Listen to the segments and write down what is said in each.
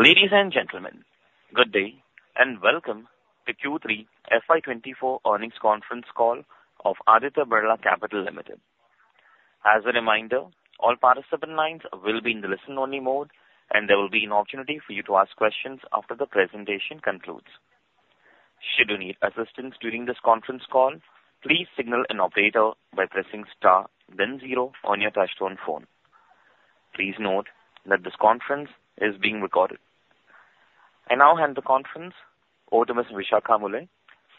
Ladies and gentlemen, good day, and welcome to Q3 FY 2024 earnings conference call of Aditya Birla Capital Limited. As a reminder, all participant lines will be in the listen-only mode, and there will be an opportunity for you to ask questions after the presentation concludes. Should you need assistance during this conference call, please signal an operator by pressing star then zero on your touchtone phone. Please note that this conference is being recorded. I now hand the conference over to Ms. Vishakha Mulye,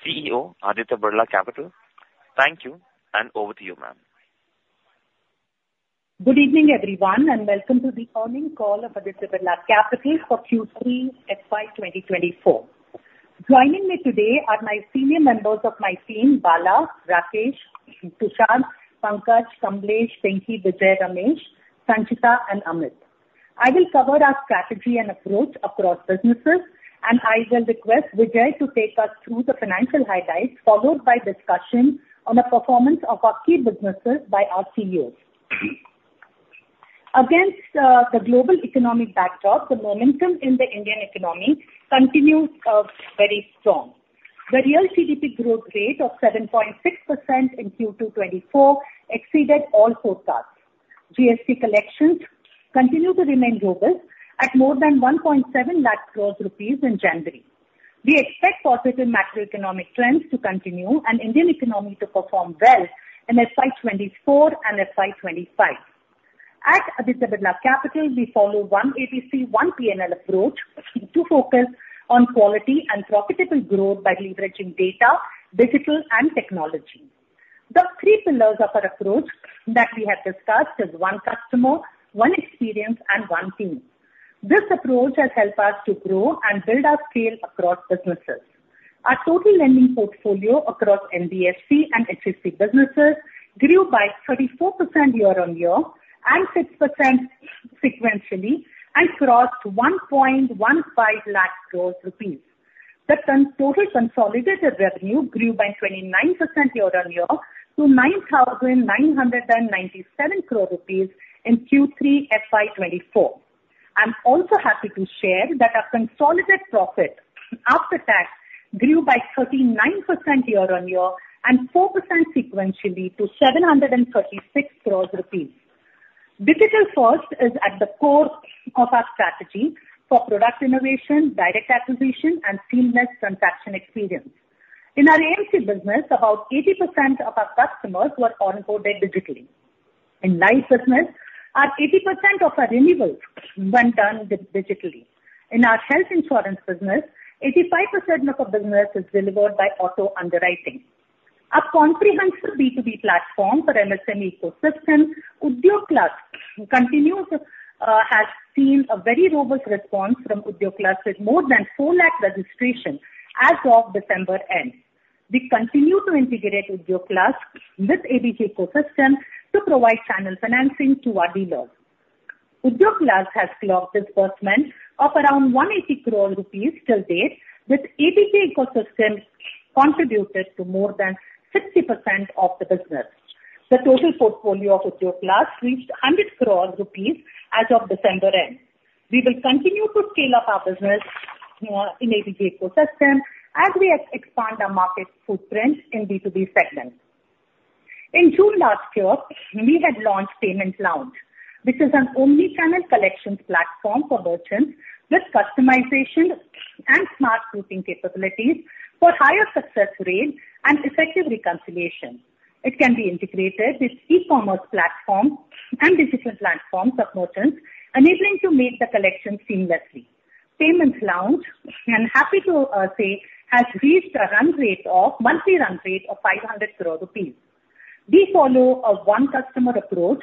CEO, Aditya Birla Capital. Thank you, and over to you, ma'am. Good evening, everyone, and welcome to the earnings call of Aditya Birla Capital for Q3 FY 2024. Joining me today are my senior members of my team, Bala, Rakesh, Tushar, Pankaj, Kamlesh, Venky, Vijay, Ramesh, Sanchita and Amit. I will cover our strategy and approach across businesses, and I will request Vijay to take us through the financial highlights, followed by discussion on the performance of our key businesses by our CEOs. Against the global economic backdrop, the momentum in the Indian economy continues very strong. The real GDP growth rate of 7.6% in Q2 2024 exceeded all forecasts. GST collections continue to remain robust at more than 1.7 lakh crore rupees in January. We expect positive macroeconomic trends to continue and Indian economy to perform well in FY 2024 and FY 2025. At Aditya Birla Capital, we follow "One ABC, One P&L" approach to focus on quality and profitable growth by leveraging data, digital, and technology. The three pillars of our approach that we have discussed is One Customer, One Experience, and One Team. This approach has helped us to grow and build our scale across businesses. Our total lending portfolio across NBFC and HFC businesses grew by 34% year-on-year and 6% sequentially and crossed 1.15 lakh crore rupees. The total consolidated revenue grew by 29% year-on-year to 9,997 crore rupees in Q3 FY 2024. I'm also happy to share that our consolidated profit after tax grew by 39% year-on-year and 4% sequentially to 736 crore rupees. Digital First is at the core of our strategy for product innovation, direct acquisition, and seamless transaction experience. In our AMC business, about 80% of our customers were onboarded digitally. In life business, 80% of our renewals were done digitally. In our health insurance business, 85% of our business is delivered by auto underwriting. Our comprehensive B2B platform for MSME ecosystem, Udyog Plus, continues to has seen a very robust response from Udyog Plus, with more than 4 lakh registration as of December end. We continue to integrate Udyog Plus with ABG ecosystem to provide channel financing to our dealers. Udyog Plus has clocked disbursement of around 180 crore rupees till date, with ABG ecosystem contributed to more than 60% of the business. The total portfolio of Udyog Plus reached 100 crore rupees as of December end. We will continue to scale up our business in ABG ecosystem as we expand our market footprint in B2B segment. In June last year, we had launched Payment Lounge. This is an omni-channel collections platform for merchants with customization and smart routing capabilities for higher success rate and effective reconciliation. It can be integrated with e-commerce platforms and digital platforms of merchants, enabling to make the collection seamlessly. Payment Lounge, I'm happy to say, has reached a run rate of monthly run rate of 500 crore rupees. We follow a "One Customer" approach,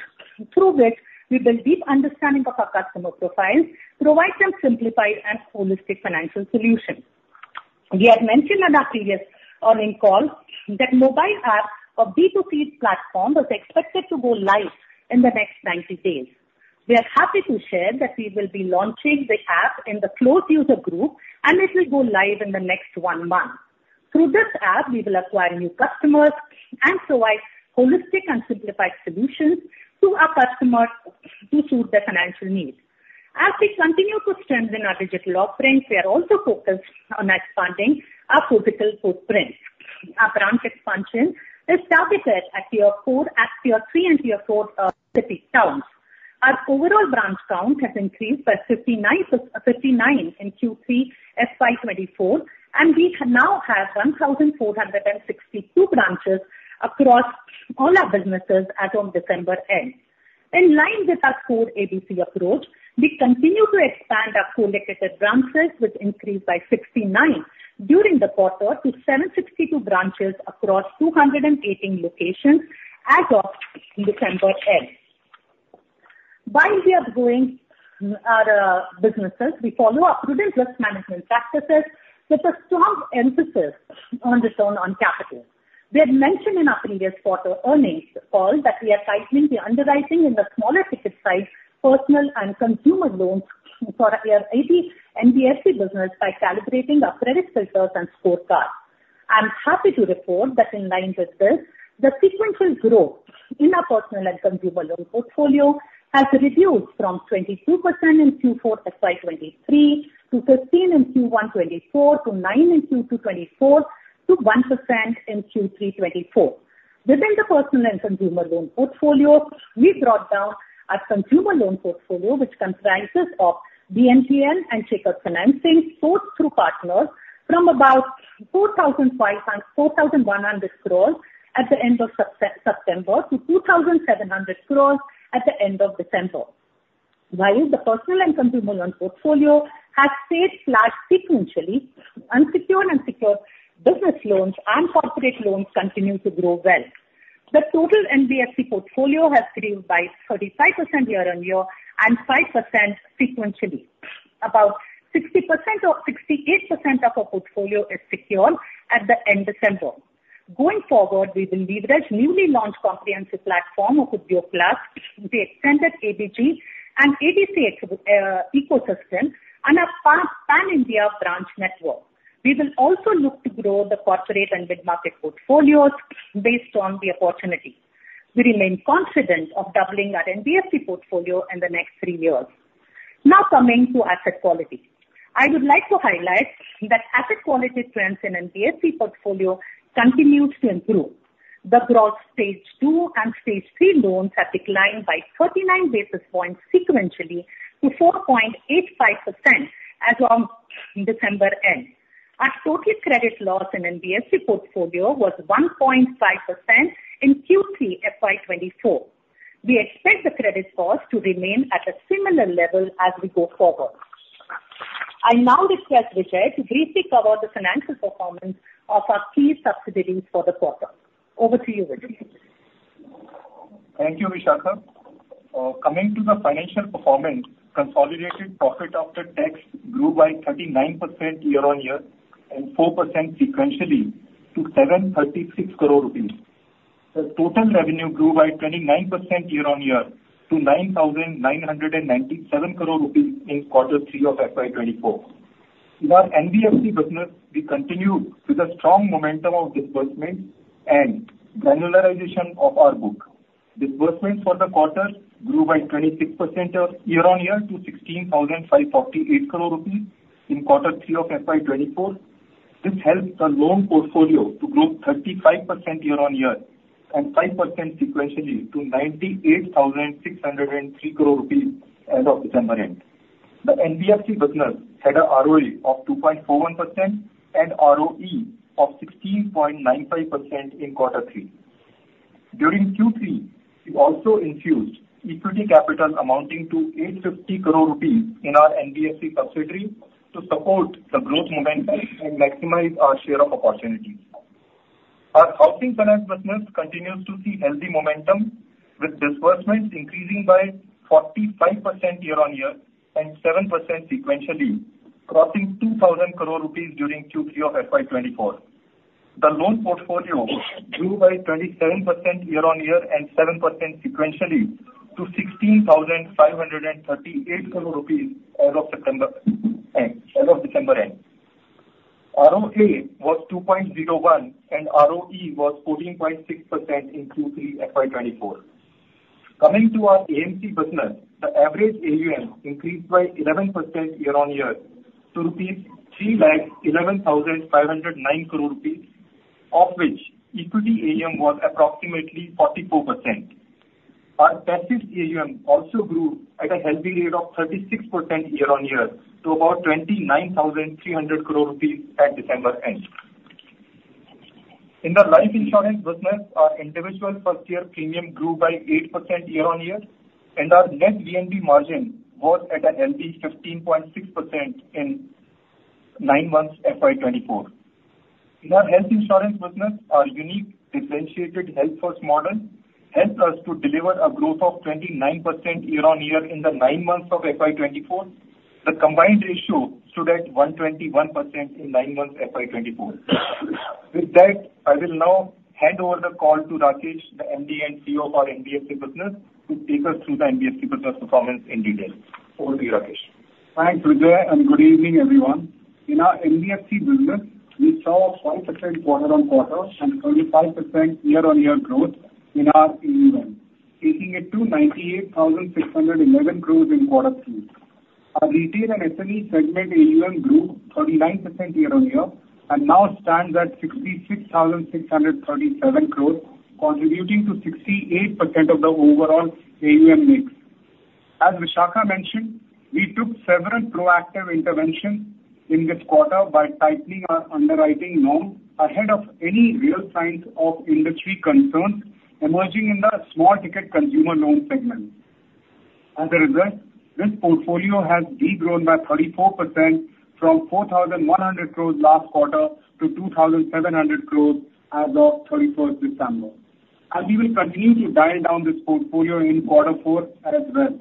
through which we build deep understanding of our customer profiles, provide them simplified and holistic financial solutions. We had mentioned in our previous earnings call that mobile app of D2C platform was expected to go live in the next 90 days. We are happy to share that we will be launching the app in the closed user group, and it will go live in the next one month. Through this app, we will acquire new customers and provide holistic and simplified solutions to our customers to suit their financial needs. As we continue to strengthen our digital offerings, we are also focused on expanding our physical footprint. Our branch expansion has targeted tier 4, tier 3 and tier 4 city towns. Our overall branch count has increased by 59 in Q3 FY 2024, and we now have 1,462 branches across all our businesses as of December end. In line with our core ABC approach, we continue to expand our co-located branches, which increased by 69 during the quarter to 762 branches across 218 locations as of December end. While we are growing our businesses, we follow prudent risk management practices with a strong emphasis on return on capital. We had mentioned in our previous quarter earnings call that we are tightening the underwriting in the smaller ticket size, personal and consumer loans for our NBFC business by calibrating our credit filters and scorecard. I'm happy to report that in line with this, the sequential growth in our personal and consumer loan portfolio has reduced from 22% in Q4 FY 2023, to 15% in Q1 2024, to 9% in Q2 2024, to 1% in Q3 2024. Within the personal and consumer loan portfolio, we brought down our consumer loan portfolio, which comprises of BNPL and check out sourced through partners from about 4,100 crore at the end of September, to 2,700 crore at the end of December. While the personal and consumer loan portfolio has stayed flat sequentially, unsecured and secured business loans and corporate loans continue to grow well. The total NBFC portfolio has grown by 35% year-on-year and 5% sequentially. About 60% or 68% of our portfolio is secured at the end of December. Going forward, we will leverage the newly launched comprehensive platform of Udyog Plus, the extended ABG and ABC ecosystem, and our Pan-India branch network. We will also look to grow the corporate and mid-market portfolios based on the opportunity. We remain confident of doubling our NBFC portfolio in the next three years. Now, coming to asset quality. I would like to highlight that asset quality trends in NBFC portfolio continue to improve. The gross Stage 2 and Stage 3 loans have declined by 39 basis points sequentially to 4.85% as on December end. Our total credit loss in NBFC portfolio was 1.5% in Q3 FY 2024. We expect the credit loss to remain at a similar level as we go forward. I now request Vijay to briefly cover the financial performance of our key subsidiaries for the quarter. Over to you, Vijay. Thank you, Vishakha. Coming to the financial performance, consolidated profit after tax grew by 39% year-on-year and 4% sequentially to 736 crore rupees. The total revenue grew by 29% year-on-year to 9,997 crore rupees in quarter three of FY 2024. In our NBFC business, we continued with a strong momentum of disbursement and granularization of our book. Disbursement for the quarter grew by 26% year-on-year to 16,548 crore rupees in quarter three of FY 2024. This helped the loan portfolio to grow 35% year-on-year and 5% sequentially to 98,603 crore rupees as of December end. The NBFC business had a ROE of 2.41% and ROE of 16.95% in quarter three. During Q3, we also infused equity capital amounting to 850 crore rupees in our NBFC subsidiary to support the growth momentum and maximize our share of opportunities. Our Housing Finance business continues to see healthy momentum, with disbursements increasing by 45% year-on-year and 7% sequentially, crossing 2,000 crore rupees during Q3 of FY 2024. The loan portfolio grew by 27% year-on-year and 7% sequentially to INR 16,538 crore as of September end, as of December end. ROA was 2.01, and ROE was 14.6% in Q3 FY 2024. Coming to our AMC business, the average AUM increased by 11% year-on-year to 3,11,509 crore rupees, of which equity AUM was approximately 44%. Our passive AUM also grew at a healthy rate of 36% year-on-year to about 29,300 crore rupees at December end. In the Life Insurance business, our individual first year premium grew by 8% year-on-year, and our net VNB margin was at a healthy 15.6% in nine months FY 2024. In our Health Insurance business, our unique differentiated Health First model helped us to deliver a growth of 29% year-on-year in the nine months of FY 2024. The combined ratio stood at 121% in nine months FY 2024. With that, I will now hand over the call to Rakesh, the MD and CEO of our NBFC business, to take us through the NBFC business performance in detail. Over to you, Rakesh. Thanks, Vijay, and good evening, everyone. In our NBFC business, we saw a 5% quarter-on-quarter and 35% year-on-year growth in our AUM, taking it to 98,611 crore in quarter three. Our retail and SME segment AUM grew 39% year-on-year, and now stands at 66,637 crore, contributing to 68% of the overall AUM mix. As Vishakha mentioned, we took several proactive interventions in this quarter by tightening our underwriting norms ahead of any real signs of industry concerns emerging in the small ticket consumer loan segment. As a result, this portfolio has de-grown by 34% from 4,100 crore last quarter to 2,700 crore as of 31st December, and we will continue to dial down this portfolio in quarter four as well.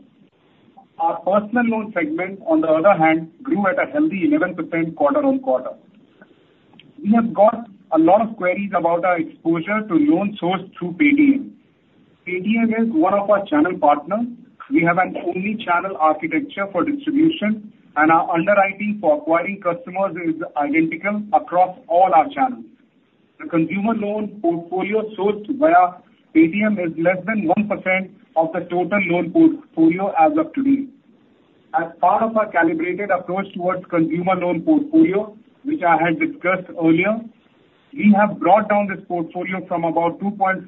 Our personal loan segment, on the other hand, grew at a healthy 11% quarter-on-quarter. We have got a lot of queries about our exposure to loans sourced through Paytm.... Paytm is one of our channel partners. We have an only channel architecture for distribution, and our underwriting for acquiring customers is identical across all our channels. The consumer loan portfolio sourced via Paytm is less than 1% of the total loan portfolio as of today. As part of our calibrated approach towards consumer loan portfolio, which I had discussed earlier, we have brought down this portfolio from about 2.5%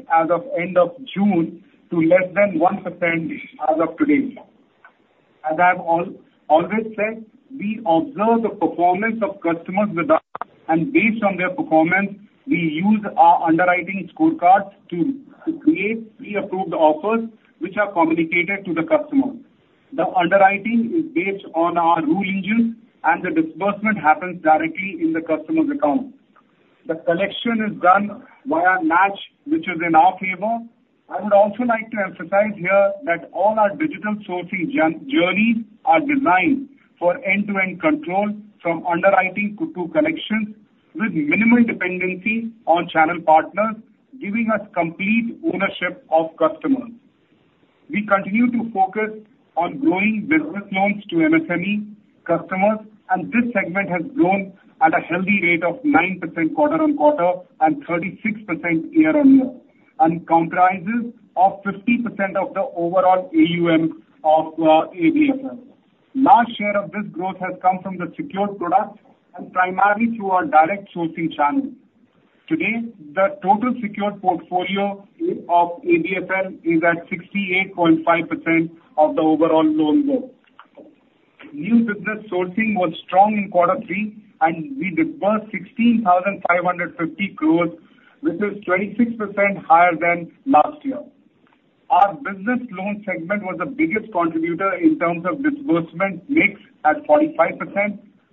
as of end of June to less than 1% as of today. As I have always said, we observe the performance of customers with us, and based on their performance, we use our underwriting scorecards to create pre-approved offers, which are communicated to the customer. The underwriting is based on our rule engine, and the disbursement happens directly in the customer's account. The collection is done via NACH, which is in our favor. I would also like to emphasize here that all our digital sourcing journeys are designed for end-to-end control, from underwriting to collections, with minimal dependency on channel partners, giving us complete ownership of customers. We continue to focus on growing business loans to MSME customers, and this segment has grown at a healthy rate of 9% quarter-on-quarter and 36% year-on-year, and comprises of 50% of the overall AUM of ABFL. Large share of this growth has come from the secured products and primarily through our direct sourcing channel. Today, the total secured portfolio of ABFL is at 68.5% of the overall loan growth. New business sourcing was strong in quarter three, and we disbursed 16,550 crore, which is 26% higher than last year. Our business loan segment was the biggest contributor in terms of disbursement mix at 45%,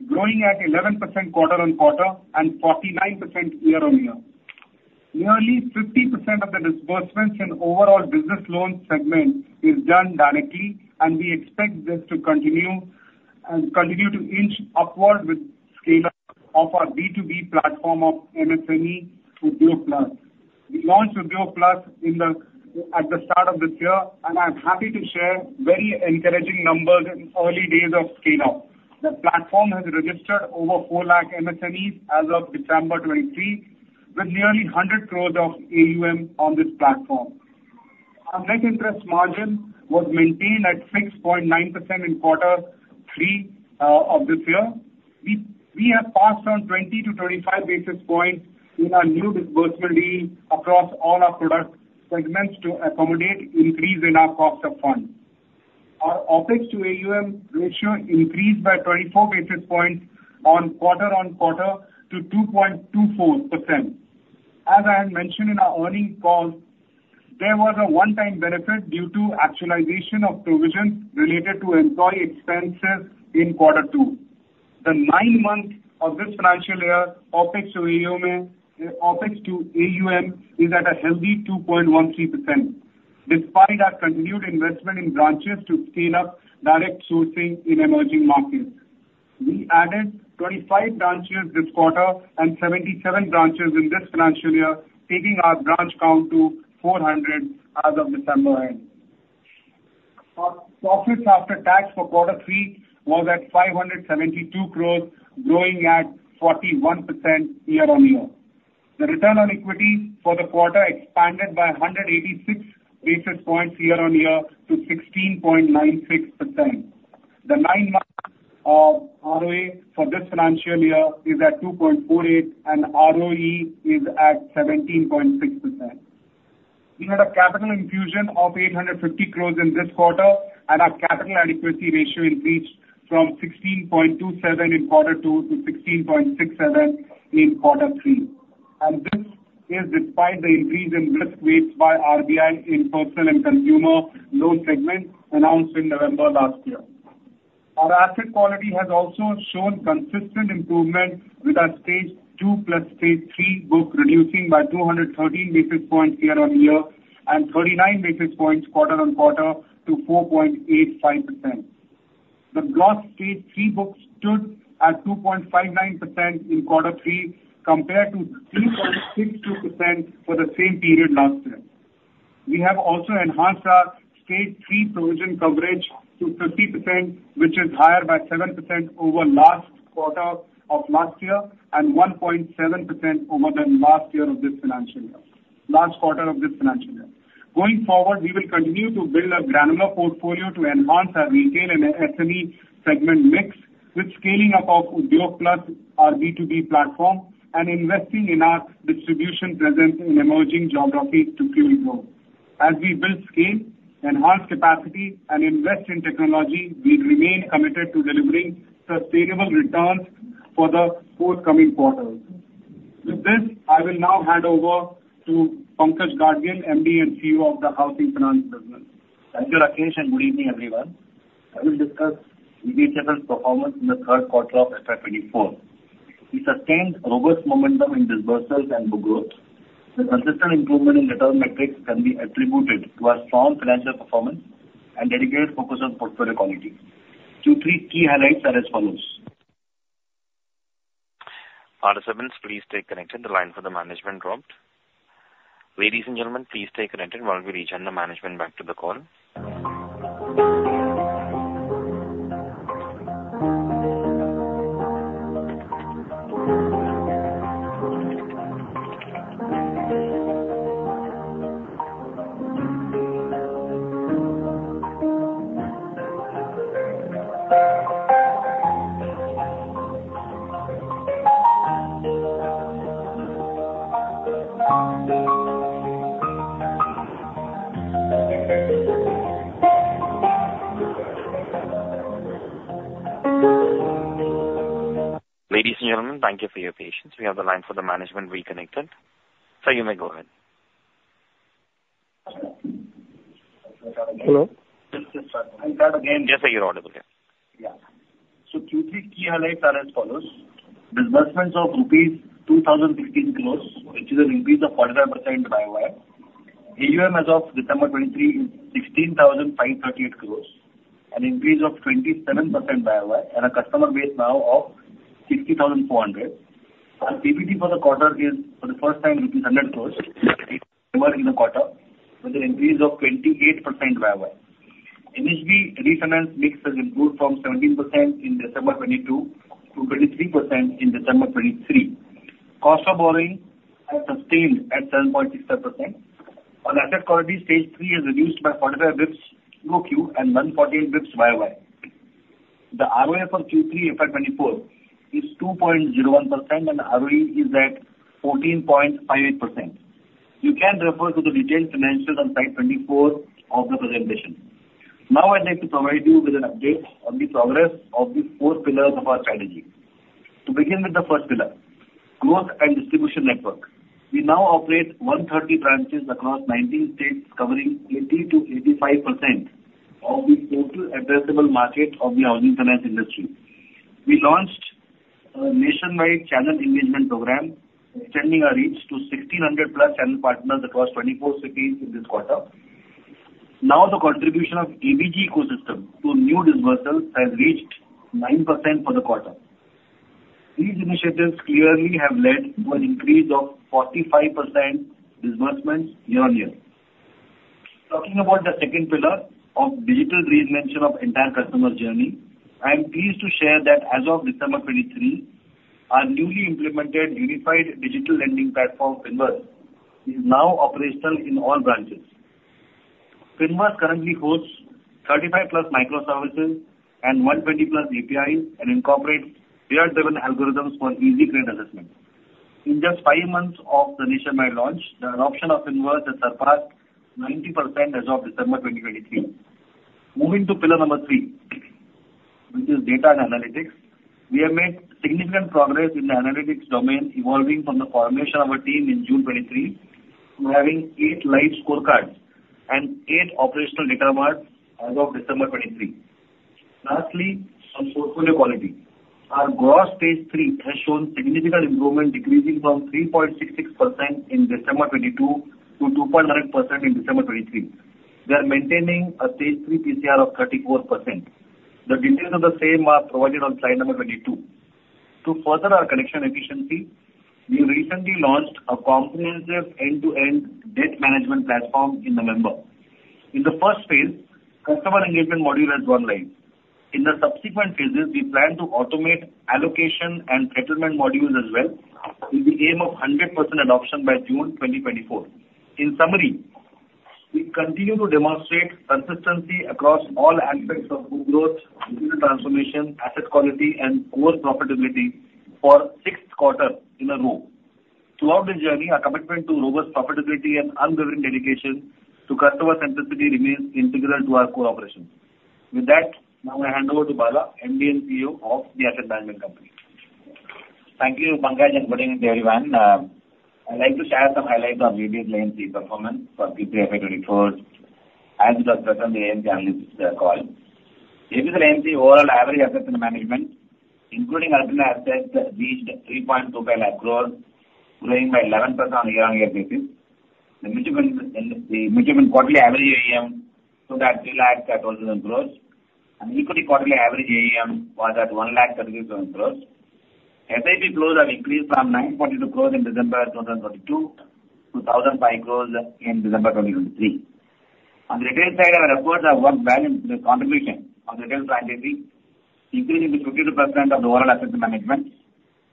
growing at 11% quarter-on-quarter and 49% year-on-year. Nearly 50% of the disbursements in overall business loan segment is done directly, and we expect this to continue, and continue to inch upward with scale-up of our B2B platform of MSME with Udyog Plus. We launched Udyog Plus in the, at the start of this year, and I'm happy to share very encouraging numbers in early days of scale-up. The platform has registered over 400,000 MSMEs as of December 2023, with nearly 100 crore of AUM on this platform. Our net interest margin was maintained at 6.9% in quarter three of this year. We, we have passed on 20-25 basis points in our new disbursals across all our product segments to accommodate increase in our cost of funds. Our OpEx to AUM ratio increased by 24 basis points quarter-on-quarter to 2.24%. As I had mentioned in our earnings calls, there was a one-time benefit due to actualization of provisions related to employee expenses in quarter two. The nine months of this financial year, OpEx to AUM, OpEx to AUM is at a healthy 2.13%, despite our continued investment in branches to scale up direct sourcing in emerging markets. We added 25 branches this quarter and 77 branches in this financial year, taking our branch count to 400 as of December end. Our profits after tax for quarter three was at 572 crore, growing at 41% year-on-year. The return on equity for the quarter expanded by 186 basis points year-on-year to 16.96%. The nine months of ROA for this financial year is at 2.48, and ROE is at 17.6%. We had a capital infusion of 850 crore in this quarter, and our capital adequacy ratio increased from 16.27 in quarter two to 16.67 in quarter three, and this is despite the increase in risk weights by RBI in Personal and Consumer Loan segment announced in November last year. Our asset quality has also shown consistent improvement with our Stage 2 plus Stage 3 book reducing by 213 basis points year-on-year and 39 basis points quarter-on-quarter to 4.85%. The Gross Stage 3 book stood at 2.59% in quarter three, compared to 3.62% for the same period last year. We have also enhanced our Stage 3 provision coverage to 50%, which is higher by 7% over last quarter of last year and 1.7% over the last year of this financial year, last quarter of this financial year. Going forward, we will continue to build a granular portfolio to enhance our retail and SME segment mix with scaling up of Udyog Plus, our B2B platform, and investing in our distribution presence in emerging geographies to further grow. As we build scale, enhance capacity, and invest in technology, we remain committed to delivering sustainable returns for the forthcoming quarters. With this, I will now hand over to Pankaj Gadgil, MD and CEO of the Housing Finance Business. Thank you, Rakesh, and good evening, everyone. I will discuss HFC's performance in the third quarter of FY 2024. We sustained robust momentum in disbursements and book growth. The consistent improvement in better metrics can be attributed to our strong financial performance and dedicated focus on portfolio quality. Q3 key highlights are as follows:... Please stay connected. The line for the management dropped. Ladies and gentlemen, please stay connected while we reach out the management back to the call. Ladies and gentlemen, thank you for your patience. We have the line for the management reconnected. Sir, you may go ahead. Hello. Start again. Yes, sir, you're audible here. Yeah. So Q3 key highlights are as follows: disbursements of rupees 2,015 crore, which is an increase of 49% YoY. AUM as of December 2023 is 16,538 crore, an increase of 27% YoY, and a customer base now of 60,400. Our PBT for the quarter is, for the first time, rupees 100 crore, in the quarter, with an increase of 28% YoY. NHB refinance mix has improved from 17% in December 2022 to 23% in December 2023. Cost of borrowing has sustained at 7.67%. On asset quality, Stage 3 has reduced by 45 basis points QoQ and 148 basis points YoY. The ROA for Q3 FY 2024 is 2.01%, and ROE is at 14.58%. You can refer to the detailed financials on slide 24 of the presentation. Now, I'd like to provide you with an update on the progress of the four pillars of our strategy. To begin with the first pillar, growth and distribution network. We now operate 130 branches across 19 states, covering 80%-85% of the total addressable market of the housing finance industry. We launched a nationwide channel engagement program, extending our reach to 1,600+ channel partners across 24 cities in this quarter. Now, the contribution of ABG ecosystem to new disbursements has reached 9% for the quarter. These initiatives clearly have led to an increase of 45% disbursements year-on-year. Talking about the second pillar of digital reinvention of entire customer journey, I am pleased to share that as of December 2023, our newly implemented unified digital lending platform, Finverse, is now operational in all branches. Finverse currently hosts 35+ microservices and 120+ APIs and incorporates AI-driven algorithms for easy credit assessment. In just 5 months of the nationwide launch, the adoption of Finverse has surpassed 90% as of December 2023. Moving to pillar number 3, which is data and analytics. We have made significant progress in the analytics domain, evolving from the formation of our team in June 2023 to having 8 live scorecards and 8 operational data mart as of December 2023. Lastly, on portfolio quality. Our gross Stage 3 has shown significant improvement, decreasing from 3.66% in December 2022 to 2.9% in December 2023. We are maintaining a Stage 3 PCR of 34%. The details of the same are provided on slide number 22. To further our collection efficiency, we recently launched a comprehensive end-to-end debt management platform in November. In the first phase, customer engagement module has gone live. In the subsequent phases, we plan to automate allocation and settlement modules as well, with the aim of 100% adoption by June 2024. In summary, we continue to demonstrate consistency across all aspects of good growth, digital transformation, asset quality, and core profitability for sixth quarter in a row. Throughout this journey, our commitment to robust profitability and unwavering dedication to customer centricity remains integral to our core operations. With that, now I hand over to Bala, MD & CEO of the Asset Management Company. Thank you, Pankaj, and good evening to everyone. I'd like to share some highlights of ABSL AMC performance for Q3 FY 2024, as it was presented in the AMC analyst call. ABSL AMC overall average assets under management, including alternate assets, reached 3.25 lakh crore, growing by 11% year-on-year. The mutual fund quarterly average AUM stood at INR 3.12 lakh crore, and equity quarterly average AUM was at 1.36 lakh crore. SIP flows have increased from 942 crore in December 2022 to 1,005 crore in December 2023. On the retail side, our efforts have worked well in the contribution of retail fraternity, increasing to 52% of the overall asset management,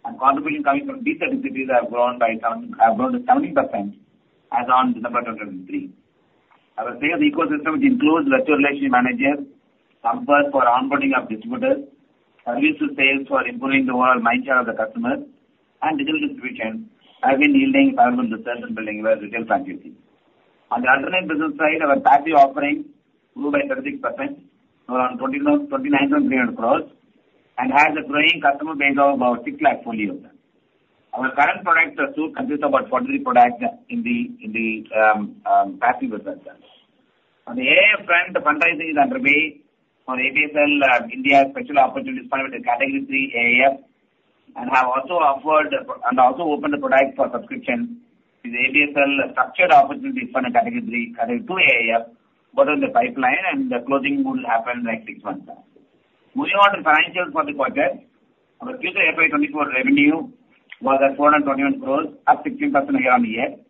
and contribution coming from these cities have grown to 70% as on December 2023. Our sales ecosystem, which includes virtual relationship managers, campers for onboarding of distributors, service to sales for improving the overall mind share of the customer, and digital distribution, have been yielding powerful results in building our retail fraternity. On the alternate business side, our passive offerings grew by 36% to around 29,300 crore and has a growing customer base of about 6 lakh folios. Our current products are still composed of about 40 products in the passive business. On the AIF front, the fundraising is underway for ABSL India Special Opportunities Fund with the Category III AIF, and also opened the product for subscription. The ABSL Structured Opportunity for the Category III, Category II AIF, both in the pipeline, and the closing will happen like six months. Moving on to financials for the quarter. Our Q3 FY 2024 revenue was at INR 421 crore, up 16% year-on-year,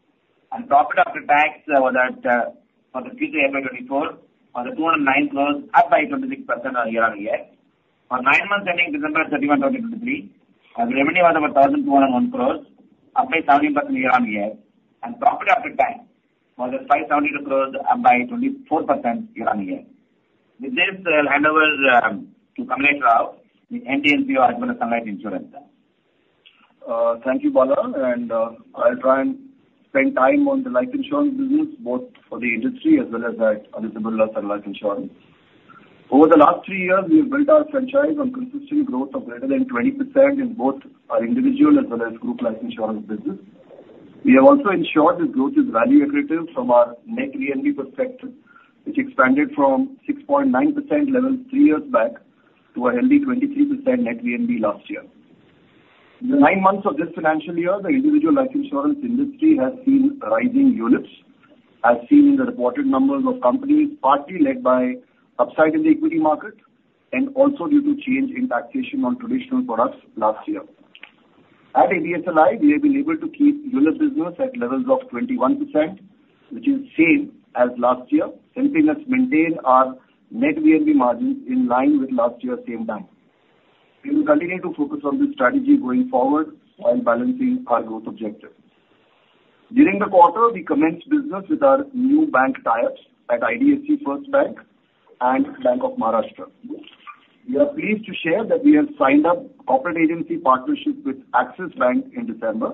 and profit after tax was at, for the Q3 FY 2024, was at INR 209 crore, up by 26% year-on-year. For nine months ending December 31, 2023, our revenue was over INR 1,201 crore, up by 17% year-on-year, and profit after tax was at INR 572 crore, up by 24% year-on-year. With this, I'll hand over to Kamlesh Rao, the MD & CEO as well as Sun Life Insurance. Thank you, Bala, and I'll try and spend time on the Life Insurance business, both for the industry as well as at Aditya Birla Sun Life Insurance. Over the last three years, we have built our franchise on consistent growth of greater than 20% in both our individual as well as group Life Insurance business. We have also ensured this growth is value accretive from our net VNB perspective, which expanded from 6.9% levels three years back to a healthy 23% net VNB last year. In the nine months of this financial year, the individual life insurance industry has seen rising ULIP, as seen in the reported numbers of companies, partly led by upside in the equity market and also due to change in taxation on traditional products last year. At ABSLI, we have been able to keep ULIP business at levels of 21%, which is same as last year, and we must maintain our net VNB margins in line with last year same time. We will continue to focus on this strategy going forward while balancing our growth objectives. During the quarter, we commenced business with our new bank tie-ups at IDFC First Bank and Bank of Maharashtra. We are pleased to share that we have signed up corporate agency partnerships with Axis Bank in December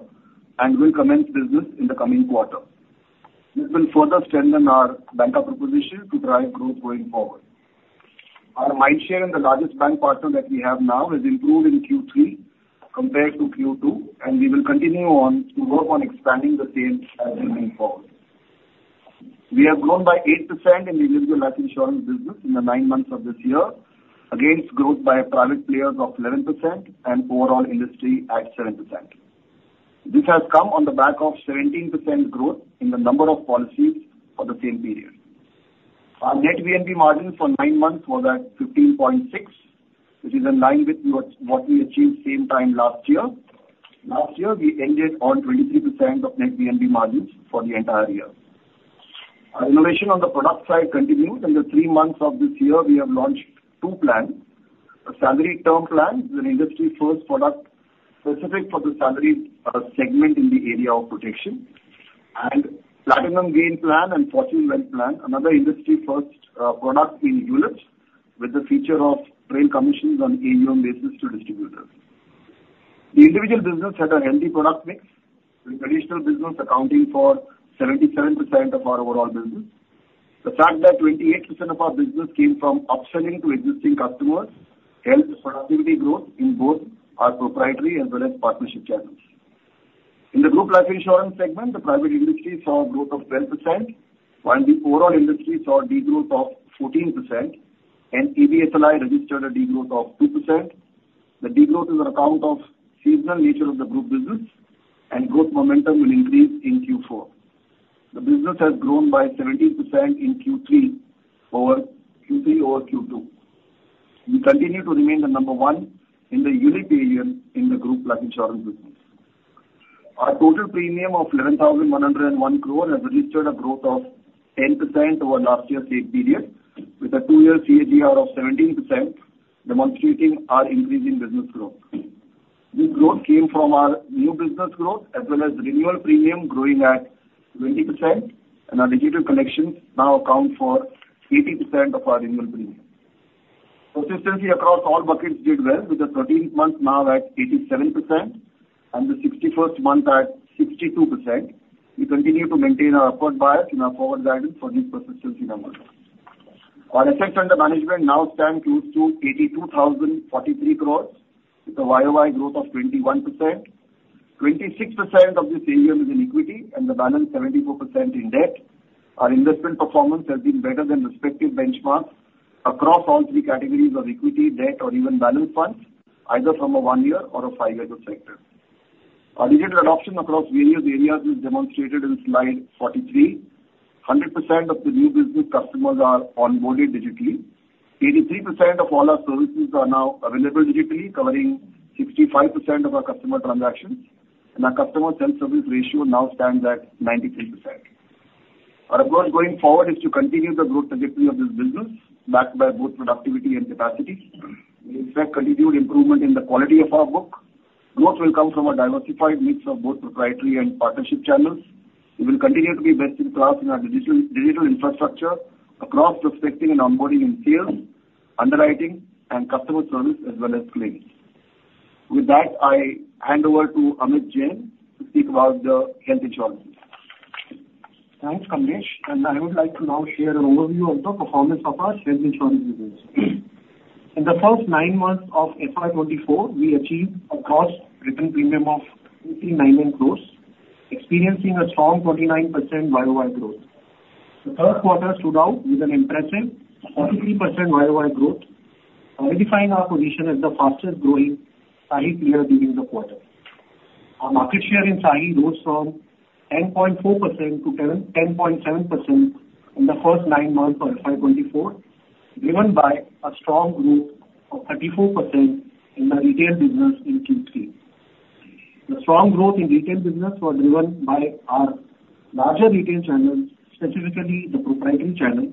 and will commence business in the coming quarter. This will further strengthen our banker proposition to drive growth going forward. Our mindshare and the largest bank partner that we have now has improved in Q3 compared to Q2, and we will continue on to work on expanding the same as we move forward. We have grown by 8% in Individual Life Insurance business in the 9 months of this year, against growth by private players of 11% and overall industry at 7%. This has come on the back of 17% growth in the number of policies for the same period. Our net VNB margin for 9 months was at 15.6, which is in line with what we achieved same time last year. Last year, we ended on 23% of net VNB margins for the entire year. Our innovation on the product side continues. In the three months of this year, we have launched two plans: a Salary Term Plan, an industry-first product specific for the salary segment in the area of protection, and Platinum Gain Plan and Fortune Wealth Plan, another industry-first product in ULIP with the feature of trail commissions on AUM basis to distributors. The individual business had a healthy product mix, with traditional business accounting for 77% of our overall business. The fact that 28% of our business came from upselling to existing customers helped productivity growth in both our proprietary as well as partnership channels. In the Group Life Insurance Segment, the private industry saw a growth of 12%, while the overall industry saw a degrowth of 14%, and ABSLI registered a degrowth of 2%. The degrowth is on account of seasonal nature of the group business, and growth momentum will increase in Q4. The business has grown by 17% in Q3, over Q3 over Q2. We continue to remain the number one in the ULIP AUM in the Group Life Insurance business. Our total premium of 11,101 crore has registered a growth of 10% over last year's same period, with a two-year CAGR of 17%, demonstrating our increasing business growth. This growth came from our new business growth as well as renewal premium growing at 20%, and our digital collections now account for 80% of our renewal premium. Persistence across all buckets did well, with the 13th month now at 87% and the 61st month at 62%. We continue to maintain our upward bias in our forward guidance for these persistence numbers. Our assets under management now stand close to 82,043 crore, with a YoY growth of 21%. Twenty-six percent of this AUM is in equity and the balance seventy-four percent in debt. Our investment performance has been better than respective benchmarks across all three categories of equity, debt, or even balanced funds, either from a one-year or a five-year perspective. Our digital adoption across various areas is demonstrated in slide 43. Hundred percent of the new business customers are onboarded digitally. Eighty-three percent of all our services are now available digitally, covering sixty-five percent of our customer transactions, and our customer self-service ratio now stands at ninety-three percent. Our approach going forward is to continue the growth trajectory of this business, backed by both productivity and capacity. We expect continued improvement in the quality of our book. Growth will come from a diversified mix of both proprietary and partnership channels. We will continue to be best in class in our digital infrastructure across prospecting and onboarding in sales, underwriting, and customer service, as well as claims. With that, I hand over to Amit Jain to speak about the Health Insurance. Thanks, Kamlesh, and I would like to now share an overview of the performance of our Health Insurance business. In the first nine months of FY 2024, we achieved a gross written premium of 89 crore, experiencing a strong 29% YoY growth. The first quarter stood out with an impressive 43% YoY growth, redefining our position as the fastest growing SAHI player during the quarter. Our market share in SAHI rose from 10.4% to 10.7% in the first nine months of FY 2024, driven by a strong growth of 34% in the retail business in Q3. The strong growth in retail business was driven by our larger retail channels, specifically the proprietary channel,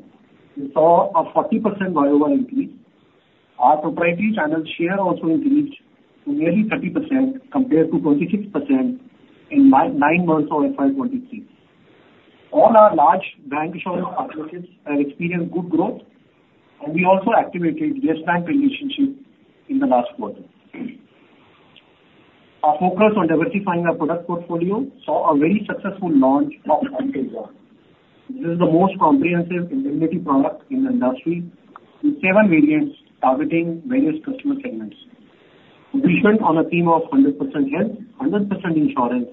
which saw a 40% YoY increase. Our proprietary channel share also increased to nearly 30% compared to 26% in nine months of FY 2023. All our large bank shareholders have experienced good growth, and we also activated the Yes Bank relationship in the last quarter. Our focus on diversifying our product portfolio saw a very successful launch of Activ One. This is the most comprehensive indemnity product in the industry, with seven variants targeting various customer segments. We went on a theme of 100% health, 100% insurance.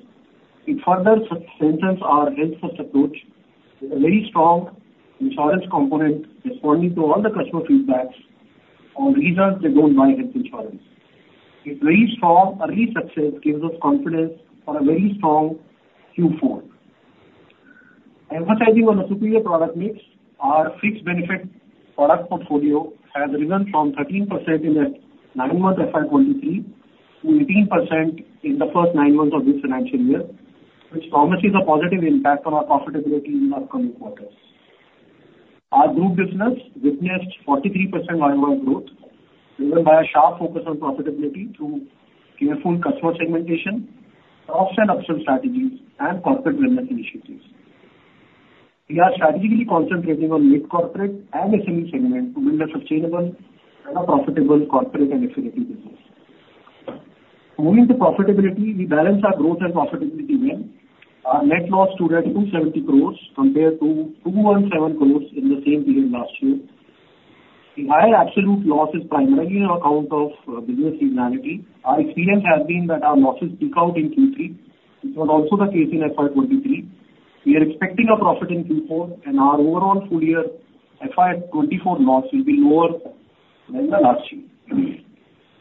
It further centers our Health First approach with a very strong insurance component, responding to all the customer feedbacks on reasons they don't buy health insurance. It's very strong early success gives us confidence for a very strong Q4. Emphasizing on a superior product mix, our fixed benefit product portfolio has risen from 13% in the nine months FY 2023 to 18% in the first nine months of this financial year, which promises a positive impact on our profitability in the upcoming quarters. Our group business witnessed 43% YoY growth, driven by a sharp focus on profitability through careful customer segmentation, cross and upsell strategies, and corporate wellness initiatives. We are strategically concentrating on mid-corporate and SME segments to build a sustainable and a profitable corporate and affinity business. Moving to profitability, we balanced our growth and profitability well. Our net loss stood at 270 crore compared to 217 crore in the same period last year. The higher absolute loss is primarily on account of business seasonality. Our experience has been that our losses peak out in Q3, which was also the case in FY 2023. We are expecting a profit in Q4, and our overall full year FY 2024 loss will be lower than the last year.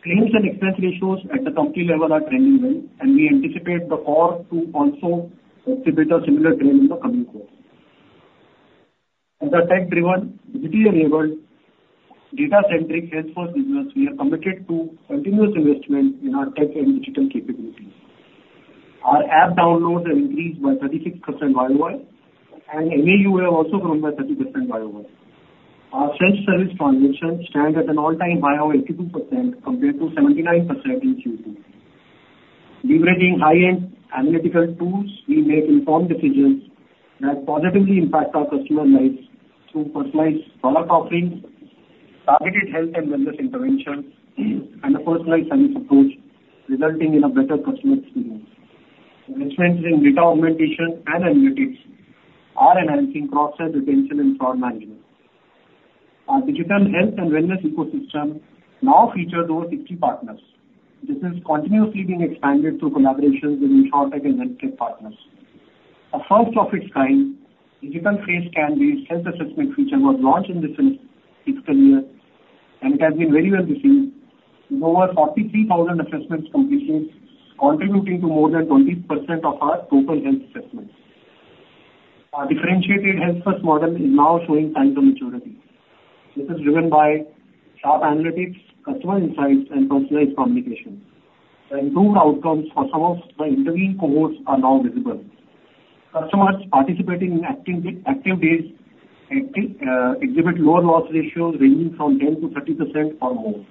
Claims and expense ratios at the company level are trending well, and we anticipate the CoR to also exhibit a similar trend in the coming quarter. As a tech-driven, digitally enabled, data-centric Health First business, we are committed to continuous investment in our tech and digital capabilities. Our app downloads have increased by 36% YoY, and MAU have also grown by 30% YoY. Our self-service transactions stand at an all-time high of 82%, compared to 79% in Q2. Leveraging high-end analytical tools, we make informed decisions that positively impact our customer lives through personalized product offerings, targeted health and wellness interventions, and a personalized service approach, resulting in a better customer experience. Investments in data augmentation and analytics are enhancing cross-sell, retention, and fraud management. Our digital health and wellness ecosystem now features over 60 partners. This is continuously being expanded through collaborations with Insurtech and Healthtech partners. A first of its kind, digital face scan-based health assessment feature was launched in this financial year, and it has been very well received, with over 43,000 assessments completed, contributing to more than 20% of our total health assessments. Our differentiated Health First model is now showing signs of maturity. This is driven by sharp analytics, customer insights, and personalized communication. The improved outcomes for some of the intervene cohorts are now visible. Customers participating in Activ Dayz exhibit lower loss ratios ranging from 10%-30% or more.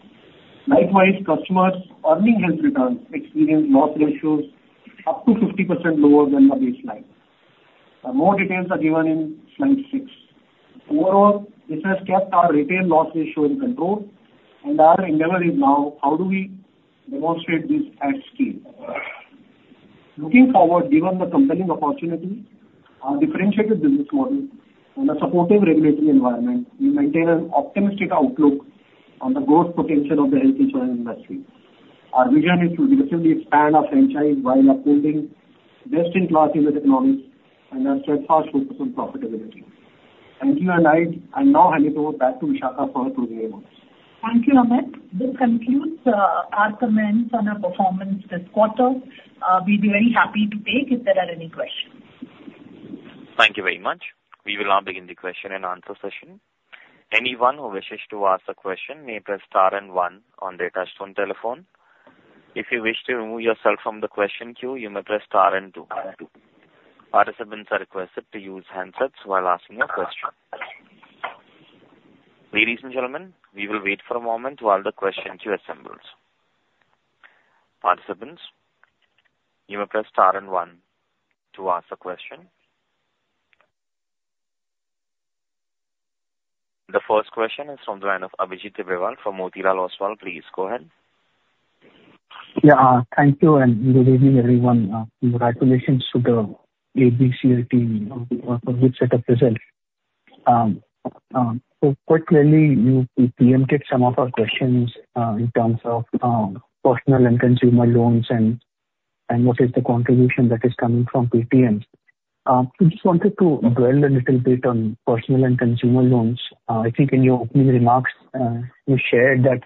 Likewise, customers earning Health Returns experience loss ratios up to 50% lower than the baseline. More details are given in slide six. Overall, this has kept our retail loss ratio in control, and our endeavor is now how do we demonstrate this at scale? Looking forward, given the compelling opportunity, our differentiated business model and a supportive regulatory environment, we maintain an optimistic outlook on the growth potential of the health insurance industry. Our vision is to aggressively expand our franchise while upholding best-in-class unit economics and a steadfast focus on profitability. Thank you, and I now hand it over back to Vishakha for closing remarks. Thank you, Amit. This concludes our comments on our performance this quarter. We'd be very happy to take if there are any questions. Thank you very much. We will now begin the question and answer session. Anyone who wishes to ask a question may press star and one on their touchtone telephone. If you wish to remove yourself from the question queue, you may press star and two. Participants are requested to use handsets while asking a question. Ladies and gentlemen, we will wait for a moment while the question queue assembles. Participants, you may press star and one to ask a question. The first question is from the line of Abhijit Tibrewal from Motilal Oswal. Please go ahead. Yeah. Thank you, and good evening, everyone. Congratulations to the ABCL team on the good set of results. So quite clearly, you preempted some of our questions in terms of personal and consumer loans and what is the contribution that is coming from Paytm? I just wanted to dwell a little bit on personal and consumer loans. I think in your opening remarks, you shared that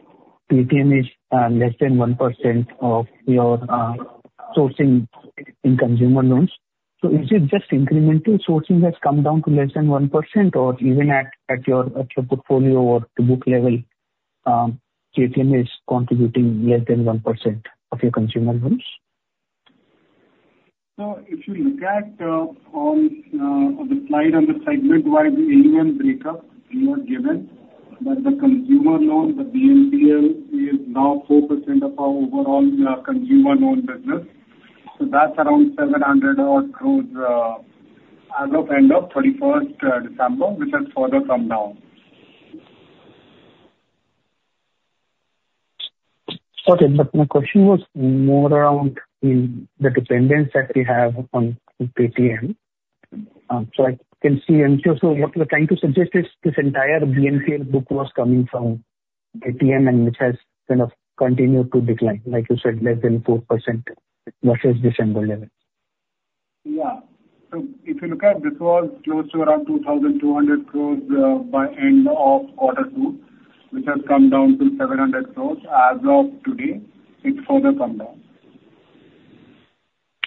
Paytm is less than 1% of your sourcing in consumer loans. So is it just incremental sourcing has come down to less than 1%, or even at your portfolio or to book level, Paytm is contributing less than 1% of your consumer loans? So if you look at, on, on the slide on the segment-wide AUM breakup we have given, that the consumer loan, the BNPL, is now 4% of our overall, consumer loan business. So that's around 700 odd crores, as of end of 31st, December, which has further come down. Okay, but my question was more around the dependence that we have on Paytm. So I can see, and so what you're trying to suggest is this entire BNPL book was coming from Paytm, and which has kind of continued to decline, like you said, less than 4% versus December levels. Yeah. So if you look at this was close to around 2,200 crore by end of quarter two, which has come down to 700 crore. As of today, it's further come down.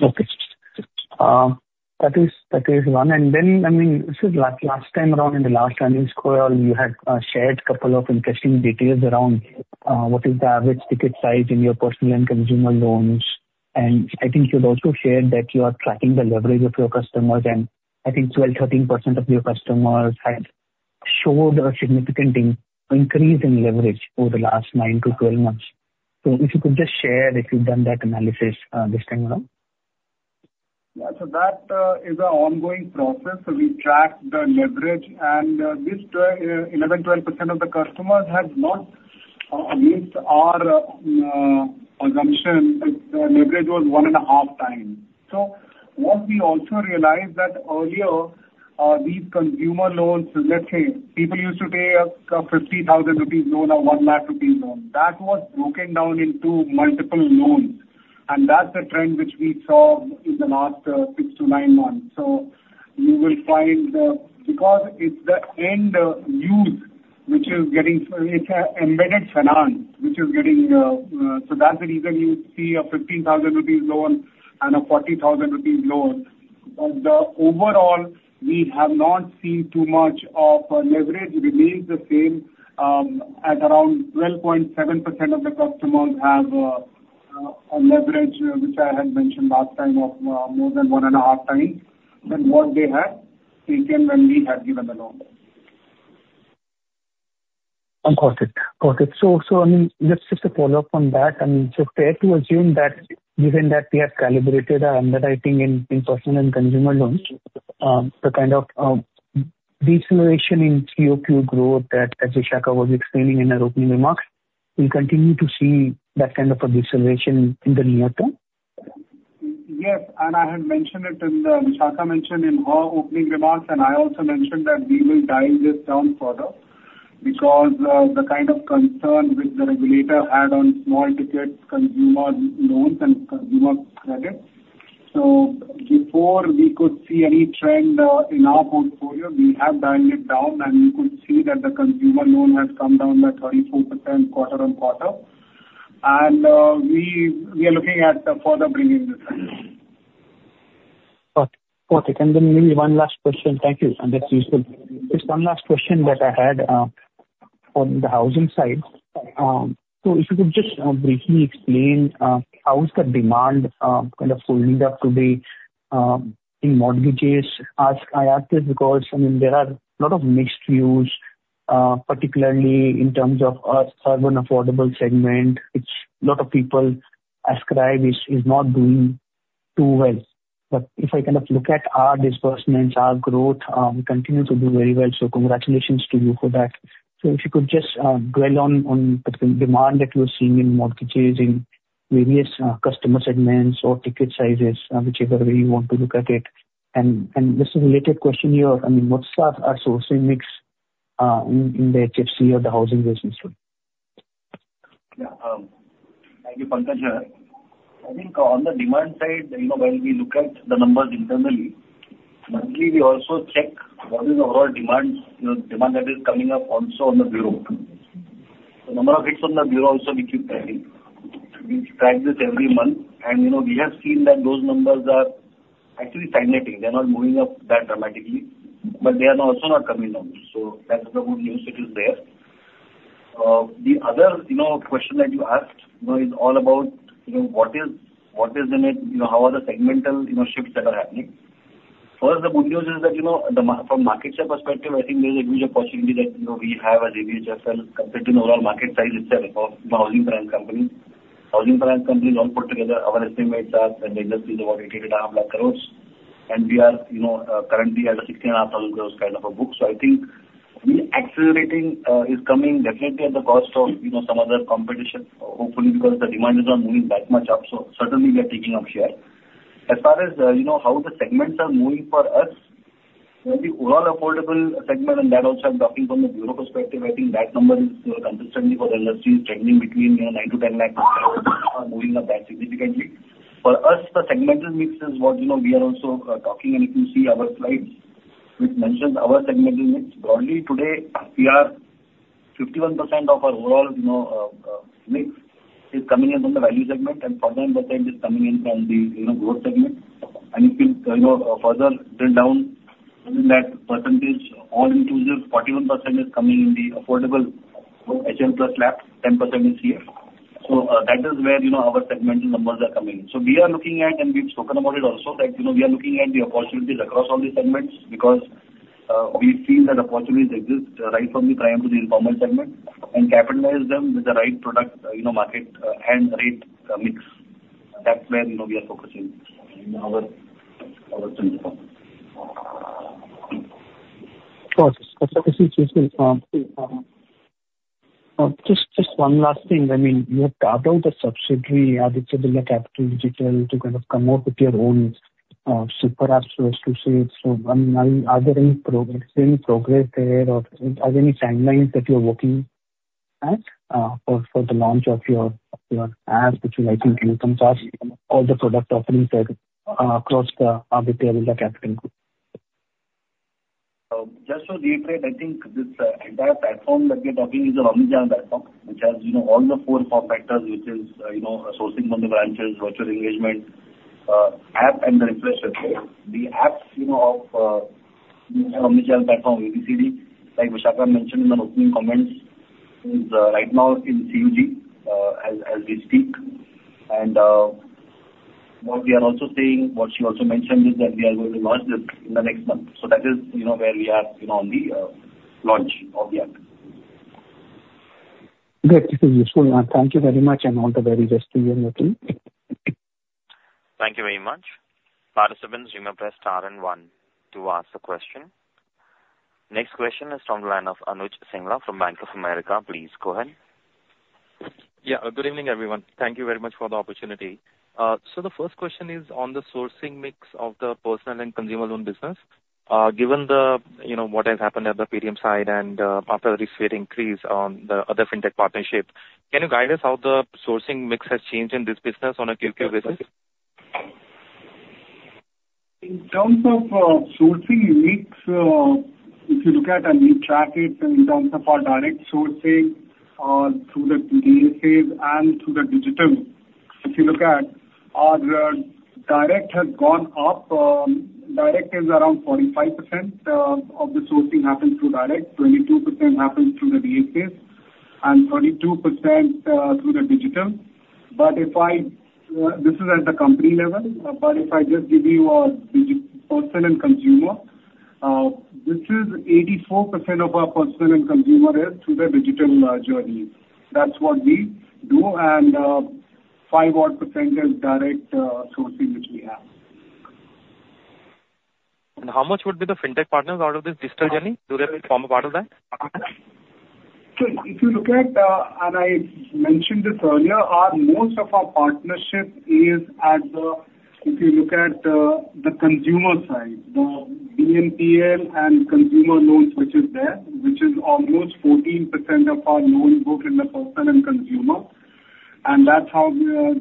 Okay. That is, that is one. And then, I mean, this is last, last time around in the last earnings call, you had shared couple of interesting details around what is the average ticket size in your personal and consumer loans. And I think you'd also shared that you are tracking the leverage of your customers, and I think 12%-13% of your customers have showed a significant increase in leverage over the last 9-12 months. So if you could just share if you've done that analysis this time around. Yeah. So that is an ongoing process. So we track the leverage, and this 11%-12% of the customers has not missed our assumption that leverage was 1.5x. So what we also realized that earlier these consumer loans, let's say, people used to take a 50,000 rupees loan or 100,000 rupees loan. That was broken down into multiple loans, and that's the trend which we saw in the last 6-9 months. So you will find because it's the end use, which is getting. It's embedded finance, which is getting. So that's the reason you see a 15,000 rupees loan and a 40,000 rupees loan. But the overall, we have not seen too much of a leverage. Remains the same, at around 12.7% of the customers have a leverage, which I had mentioned last time, of more than 1.5x than what they had taken when we had given the loan. Got it. Got it. So, I mean, just to follow up on that, I mean, so fair to assume that given that we have calibrated our underwriting in personal and consumer loans, the kind of deceleration in QoQ growth that as Vishakha was explaining in her opening remarks, we'll continue to see that kind of a deceleration in the near term? Yes, and I had mentioned it in the Vishakha mentioned in her opening remarks, and I also mentioned that we will dial this down further because of the kind of concern which the regulator had on small ticket consumer loans and consumer credit. So before we could see any trend in our portfolio, we have dialed it down, and you could see that the consumer loan has come down by 34% quarter-on-quarter. And we are looking at further bringing this down. Got it. Got it. And then maybe one last question. Thank you. And that's useful. Just one last question that I had on the housing side. So if you could just briefly explain how is the demand kind of holding up today in mortgages? I ask this because, I mean, there are a lot of mixed views, particularly in terms of urban affordable segment, which a lot of people ascribe is not doing too well. But if I kind of look at our disbursements, our growth, we continue to do very well. So congratulations to you for that. So if you could just dwell on the demand that you're seeing in mortgages in various customer segments or ticket sizes, whichever way you want to look at it. Just a related question here, I mean, what's our sourcing mix in the HFC or the housing business? Yeah. Thank you, Pankaj. I think on the demand side, you know, when we look at the numbers internally, monthly, we also check what is the overall demand, you know, demand that is coming up also on the bureau. The number of hits on the bureau also we keep tracking. We track this every month, and you know, we have seen that those numbers are actually stagnating. They're not moving up that dramatically, but they are also not coming down. So that's the good news, it is there. The other, you know, question that you asked, you know, is all about, you know, what is, what is the next... You know, how are the segmental, you know, shifts that are happening? First, the good news is that, you know, from market share perspective, I think there is a huge opportunity that, you know, we have as ABHFL compared to the overall market size itself of the housing finance company. Housing finance companies all put together, our estimates are, in the industry is about 8,850,000 crore, and we are, you know, currently at a 60,500 crore kind of a book. So I think the accelerating is coming definitely at the cost of, you know, some other competition, hopefully, because the demand is not moving that much up. So certainly we are taking up share.... As far as, you know, how the segments are moving for us, the overall affordable segment, and that also I'm talking from a bureau perspective, I think that number is, you know, consistently for the industry is trending between 9-10 lakh, are moving up that significantly. For us, the segmental mix is what, you know, we are also talking, and if you see our slides, which mentions our segmental mix. Broadly today, we are 51% of our overall, you know, mix is coming in from the value segment, and 14% is coming in from the, you know, growth segment. And if you, you know, further drill down in that percentage, all inclusive, 41% is coming in the affordable HL plus LAP, 10% is here. So, that is where, you know, our segmental numbers are coming in. So we are looking at, and we've spoken about it also, that, you know, we are looking at the opportunities across all these segments, because, we feel that opportunities exist right from the prime to the informal segment, and capitalize them with the right product, you know, market, and right mix. That's where, you know, we are focusing in our principle. Got it. That's useful, just one last thing. I mean, you have talked about the subsidiary, Aditya Birla Capital Digital, to kind of come out with your own super app, so to say. So, are there any progress there, or are there any timelines that you are working at for the launch of your app, which will, I think, encompass all the product offerings that across the Aditya Birla Capital? Just to reiterate, I think this entire platform that we are talking is an omnichannel platform, which has, you know, all the four core factors, which is, you know, sourcing from the branches, virtual engagement, app and the refresh as well. The apps, you know, of omnichannel platform, ABCD, like Vishakha mentioned in the opening comments, is right now in CUG, as we speak. What we are also saying, what she also mentioned is that we are going to launch this in the next month. So that is, you know, where we are, you know, on the launch of the app. Great. This is useful. Thank you very much, and all the very best to you and the team. Thank you very much. Participants, remember star and one to ask the question. Next question is from the line of Anuj Singla from Bank of America. Please go ahead. Yeah. Good evening, everyone. Thank you very much for the opportunity. So the first question is on the sourcing mix of the personal and consumer loan business. Given the, you know, what has happened at the premium side and, after this rate increase on the other fintech partnerships, can you guide us how the sourcing mix has changed in this business on a QoQ basis? In terms of sourcing mix, if you look at and we track it in terms of our direct sourcing through the DSAs and through the digital. If you look at, our direct has gone up. Direct is around 45% of the sourcing happens through direct, 22% happens through the DSAs, and 42% through the digital. But if I, this is at the company level, but if I just give you our digital personal and consumer, this is 84% of our personal and consumer is through the digital journey. That's what we do, and five odd percent is direct sourcing, which we have. How much would be the fintech partners out of this digital journey? Do they form a part of that? So if you look at, and I mentioned this earlier, our most of our partnership is at the. If you look at the consumer side, the BNPL and consumer loans, which is there, which is almost 14% of our loan book in the personal and consumer, and that's how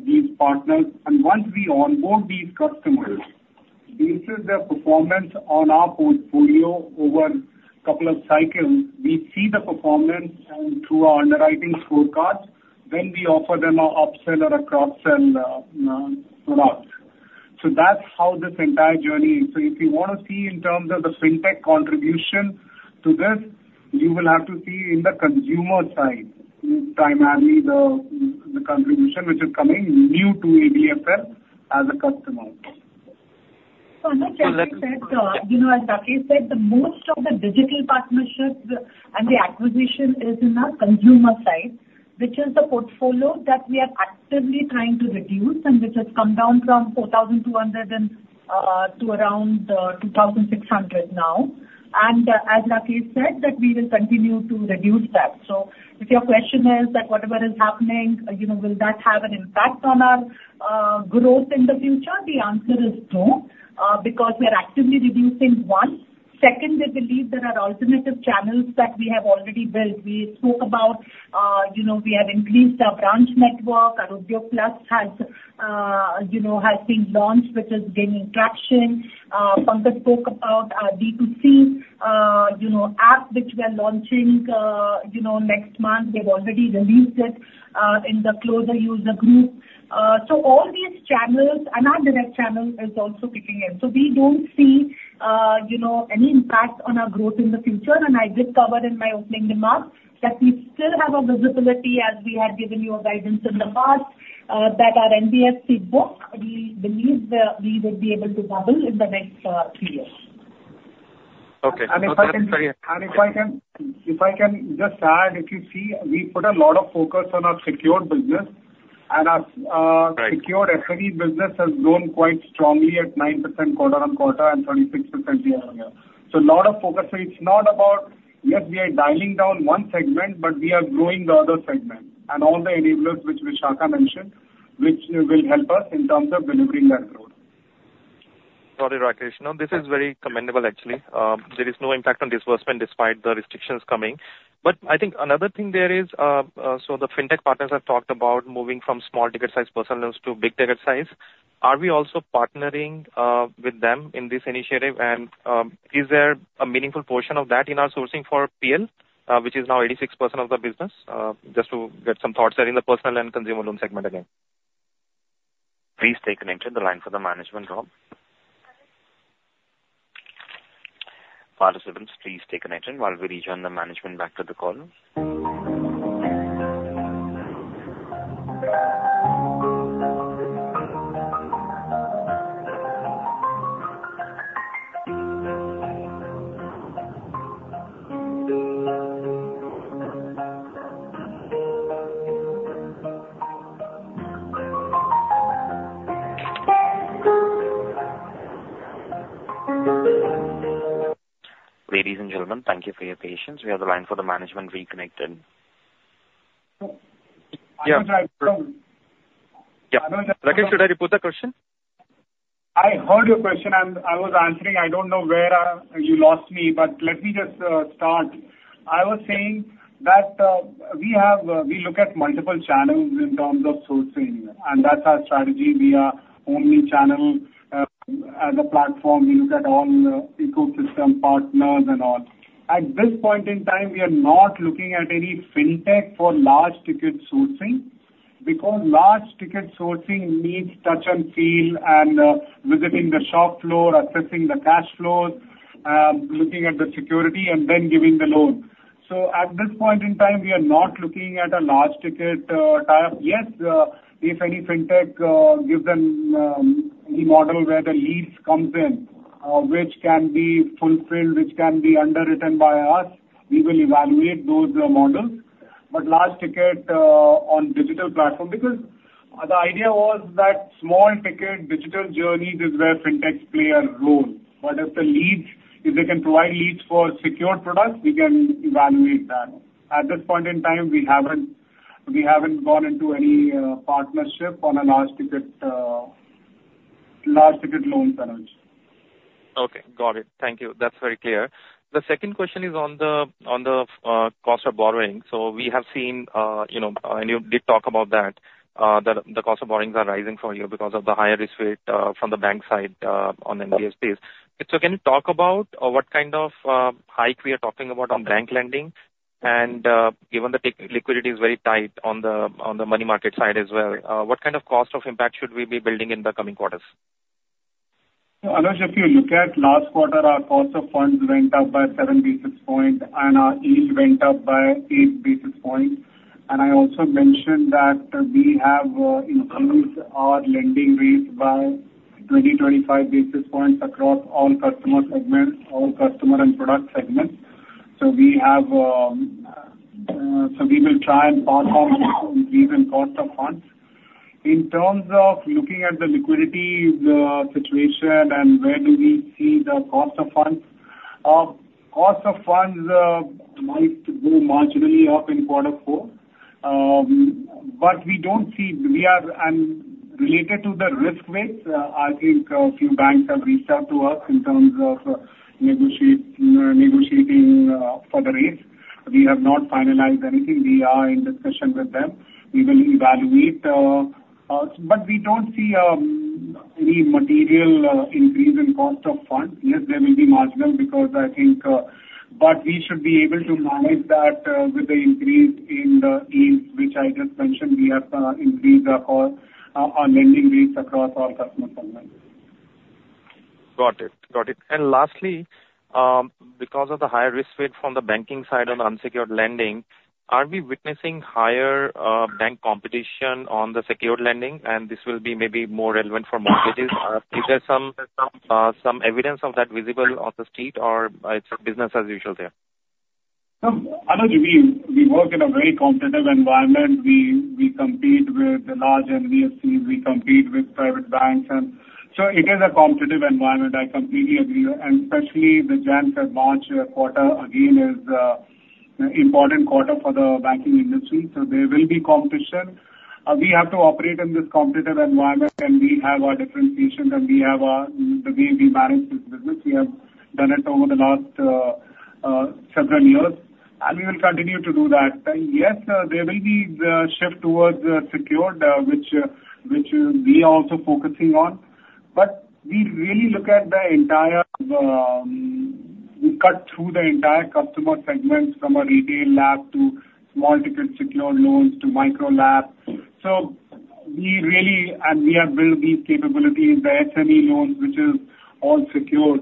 these partners. And once we onboard these customers, based on their performance on our portfolio over couple of cycles, we see the performance and through our underwriting scorecards, then we offer them a upsell or a cross-sell products. So that's how this entire journey is. So if you want to see in terms of the fintech contribution to this, you will have to see in the consumer side, primarily the contribution which is coming new to ABFL as a customer. So like we said, you know, as Rakesh said, the most of the digital partnerships and the acquisition is in our consumer side, which is the portfolio that we are actively trying to reduce and which has come down from 4,200 to around 2,600 now. And as Rakesh said, that we will continue to reduce that. So if your question is that whatever is happening, you know, will that have an impact on our growth in the future? The answer is no, because we are actively reducing, one. Second, we believe there are alternative channels that we have already built. We spoke about, you know, we have increased our branch network. Arogya Plus has, you know, has been launched, which is gaining traction. Pankaj spoke about our D2C, you know, app, which we are launching, you know, next month. We've already released it, in the closed user group. So all these channels and our direct channels is also kicking in. So we don't see, you know, any impact on our growth in the future. And I did cover in my opening remarks that we still have a visibility as we had given you a guidance in the past, that our NBFC book, we believe that we will be able to double in the next, three years. Okay. And if I can just add, if you see, we put a lot of focus on our secured business, and our, Right. Unsecured SME business has grown quite strongly at 9% quarter-on-quarter and 36% year-on-year.... So a lot of focus. So it's not about, yes, we are dialing down one segment, but we are growing the other segment and all the enablers which Vishakha mentioned, which will help us in terms of delivering that growth. Got it, Rakesh. Now, this is very commendable, actually. There is no impact on disbursement despite the restrictions coming. But I think another thing there is, so the fintech partners have talked about moving from small ticket size personal loans to big ticket size. Are we also partnering with them in this initiative? And, is there a meaningful portion of that in our sourcing for PL, which is now 86% of the business? Just to get some thoughts there in the personal and consumer loan segment again. Please stay connected. The line for the management role. Participants, please stay connected while we rejoin the management back to the call. Ladies and gentlemen, thank you for your patience. We have the line for the management reconnected. Yeah. Yeah. Rakesh, should I repeat the question? I heard your question, and I was answering. I don't know where you lost me, but let me just start. I was saying that we have... we look at multiple channels in terms of sourcing, and that's our strategy. We are only channel as a platform. We look at all ecosystem partners and all. At this point in time, we are not looking at any fintech for large ticket sourcing, because large ticket sourcing needs touch and feel and visiting the shop floor, assessing the cash flows, looking at the security and then giving the loan. So at this point in time, we are not looking at a large ticket tie-up. Yes, if any fintech give them any model where the leads comes in, which can be fulfilled, which can be underwritten by us, we will evaluate those models. But large ticket on digital platform, because the idea was that small ticket digital journey is where fintech players grow. But if the leads, if they can provide leads for secured products, we can evaluate that. At this point in time, we haven't, we haven't gone into any partnership on a large ticket large ticket, Anuj. Okay, got it. Thank you. That's very clear. The second question is on the cost of borrowing. So we have seen, you know, and you did talk about that, that the cost of borrowings are rising for you because of the higher risk weight from the bank side on NBFCs. So can you talk about what kind of hike we are talking about on bank lending? And, given the liquidity is very tight on the money market side as well, what kind of cost of impact should we be building in the coming quarters? Anuj, if you look at last quarter, our cost of funds went up by 7 basis points, and our yield went up by 8 basis points. I also mentioned that we have increased our lending rates by 20-25 basis points across all customer segments, all customer and product segments. We will try and pass off increase in cost of funds. In terms of looking at the liquidity situation and where do we see the cost of funds might go marginally up in quarter four, but we don't see. And related to the risk weights, I think a few banks have reached out to us in terms of negotiating for the rates. We have not finalized anything. We are in discussion with them. We will evaluate, but we don't see any material increase in cost of funds. Yes, there will be marginal, because I think, but we should be able to manage that, with the increase in the yields, which I just mentioned. We have increased our lending rates across all customer segments. Got it. Got it. And lastly, because of the higher risk weight from the banking side on unsecured lending, are we witnessing higher bank competition on the secured lending? And this will be maybe more relevant for mortgages. Is there some evidence of that visible on the street, or it's business as usual there? No, Anuj, we work in a very competitive environment. We compete with large NBFCs, we compete with private banks, and so it is a competitive environment. I completely agree. And especially the Jan to March quarter again is an important quarter for the banking industry, so there will be competition. We have to operate in this competitive environment, and we have our differentiation, and we have our... we manage this business. We have done it over the last several years, and we will continue to do that. Yes, there will be the shift towards secured, which we are also focusing on, but we really look at the entire, we cut through the entire customer segments, from our retail LAP to small ticket secured loans to micro LAP. So we really... And we have built these capabilities, the SME loans, which is all secured.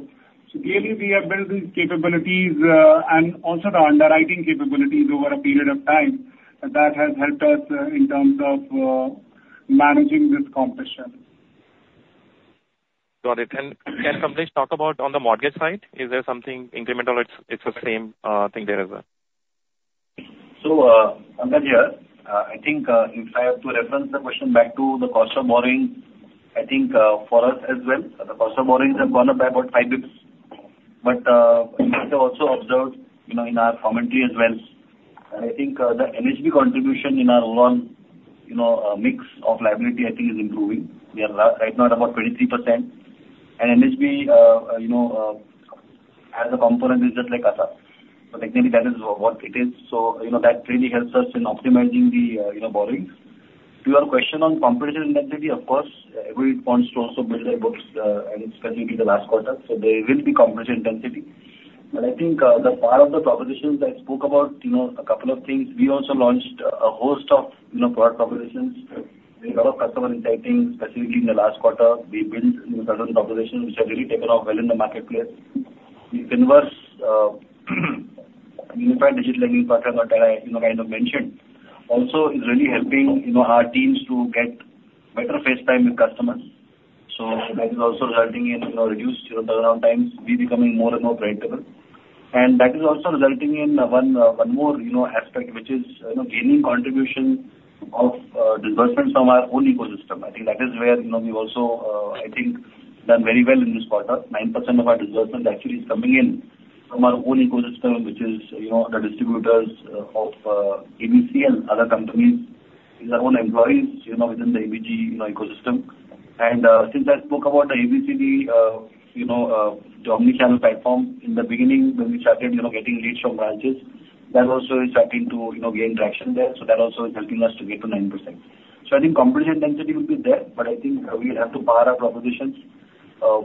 So clearly we have built these capabilities, and also the underwriting capabilities over a period of time. That has helped us in terms of managing this competition. Got it. And can Somesh talk about on the mortgage side, is there something incremental or it's the same thing there as well?... So, Pankaj here, I think, if I have to reference the question back to the cost of borrowing, I think, for us as well, the cost of borrowings have gone up by about five basis points. But, you might have also observed, you know, in our commentary as well, I think, the NHB contribution in our loan, you know, mix of liability I think is improving. We are right now at about 23%. And NHB, you know, as a component is just like CASA. So technically, that is what it is. So, you know, that really helps us in optimizing the, you know, borrowings. To your question on competition intensity, of course, everybody wants to also build their books, and especially in the last quarter, so there will be competition intensity. But I think, the part of the propositions I spoke about, you know, a couple of things, we also launched a host of, you know, product propositions. We have a lot of customer insights, specifically in the last quarter. We built, you know, customer propositions, which have really taken off well in the marketplace. We have Finverse, a unified digital lending platform that I, you know, kind of mentioned, also is really helping, you know, our teams to get better face time with customers. So that is also resulting in, you know, reduced, you know, turnaround times, we becoming more and more predictable. And that is also resulting in, one, one more, you know, aspect, which is, you know, gaining contribution of, disbursements from our own ecosystem. I think that is where, you know, we also, I think done very well in this quarter. 9% of our disbursements actually is coming in from our own ecosystem, which is, you know, the distributors of ABCL and other companies, is our own employees, you know, within the ABG, you know, ecosystem. And since I spoke about the ABCD, you know, the omni-channel platform, in the beginning when we started, you know, getting leads from branches, that also is starting to, you know, gain traction there, so that also is helping us to get to 9%. So I think competition intensity will be there, but I think, we have to power our propositions,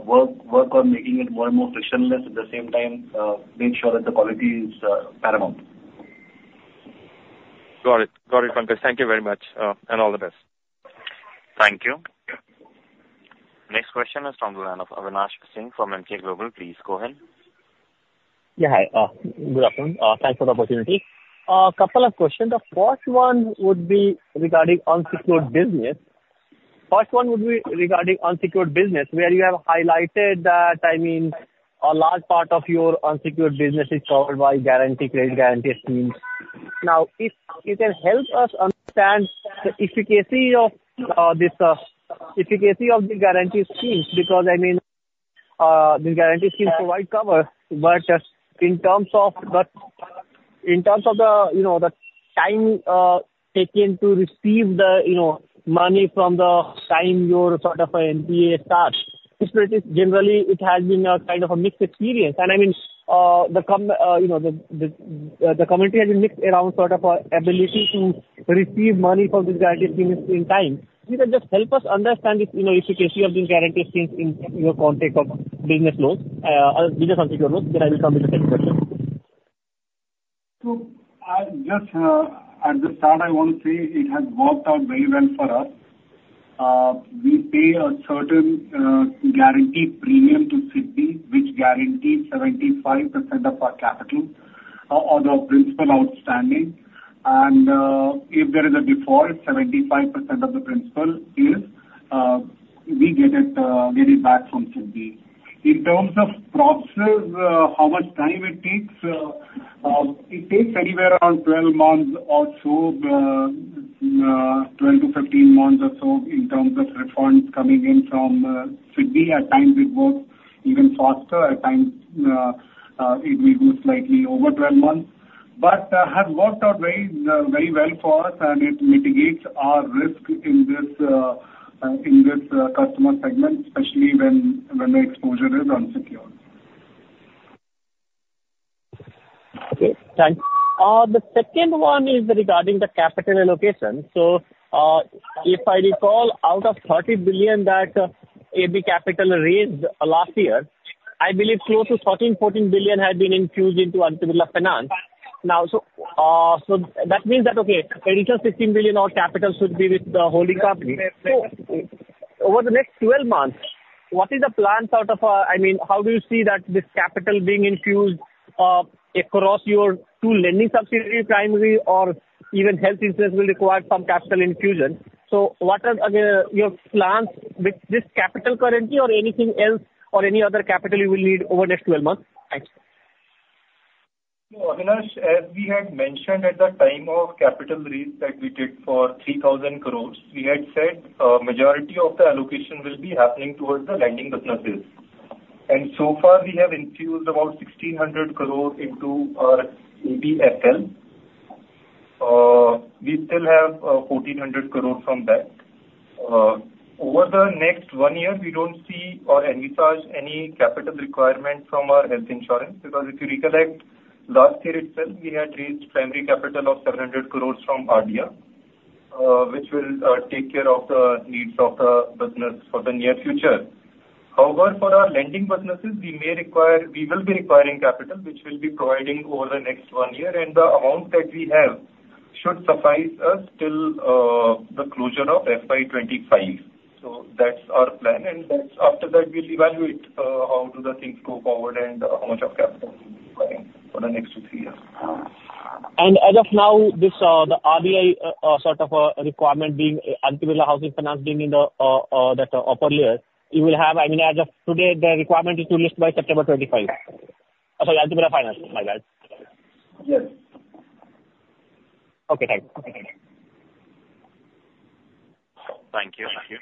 work, work on making it more and more frictionless, at the same time, make sure that the quality is paramount. Got it. Got it, Pankaj. Thank you very much, and all the best. Thank you. Next question is from the line of Avinash Singh from Emkay Global. Please go ahead. Yeah, hi. Good afternoon. Thanks for the opportunity. A couple of questions. The first one would be regarding unsecured business. First one would be regarding unsecured business, where you have highlighted that, I mean, a large part of your unsecured business is covered by guarantee, credit guarantee schemes. Now, if you can help us understand the efficacy of this efficacy of the guarantee schemes, because, I mean, these guarantee schemes provide cover, but in terms of the, in terms of the, you know, the time taken to receive the, you know, money from the time your sort of NPA starts, historically, generally, it has been a kind of a mixed experience. And I mean, you know, the community has been mixed around sort of ability to receive money from the guarantee schemes in time. If you can just help us understand this, you know, efficacy of these guarantee schemes in your context of business loans or business unsecured loans, then I will come to the second question. So I just at the start want to say it has worked out very well for us. We pay a certain guarantee premium to SIDBI, which guarantees 75% of our capital or the principal outstanding. And if there is a default, 75% of the principal is, we get it, get it back from SIDBI. In terms of processes, how much time it takes, it takes anywhere around 12 months or so, 12-15 months or so in terms of refunds coming in from SIDBI. At times it goes even faster, at times, it may go slightly over 12 months. But has worked out very, very well for us, and it mitigates our risk in this, in this customer segment, especially when, when the exposure is unsecured. Okay, thank you. The second one is regarding the capital allocation. So, if I recall, out of 30 billion that AB Capital raised last year, I believe close to 13-14 billion had been infused into Aditya Birla Finance. Now, so that means that, okay, an extra 16 billion of capital should be with the holding company. Yes. So over the next 12 months, what is the plan sort of? I mean, how do you see that this capital being infused across your two lending subsidiary primary or even health insurance will require some capital infusion. So what are your plans with this capital currently, or anything else, or any other capital you will need over the next 12 months? Thanks. Avinash, as we had mentioned at the time of capital raise that we did for 3,000 crore, we had said, majority of the allocation will be happening towards the lending businesses. And so far, we have infused about 1,600 crore into our ABFL. We still have 1,400 crore from that. Over the next one year, we don't see or envisage any capital requirement from our health insurance, because if you recollect, last year itself, we had raised primary capital of 700 crore from ADIA, which will take care of the needs of the business for the near future. However, for our lending businesses, we may require... we will be requiring capital, which we'll be providing over the next one year, and the amount that we have should suffice us till the closure of FY 2025. That's our plan, and that's after that. We'll evaluate how do the things go forward and how much of capital we'll be requiring for the next two, three years. As of now, this, the RBI, sort of, requirement being Aditya Birla Housing Finance being in the, that upper layer, you will have, I mean, as of today, the requirement is to list by September 25. Sorry, Aditya Birla Finance, my bad. Yes. Okay, thank you.... Thank you.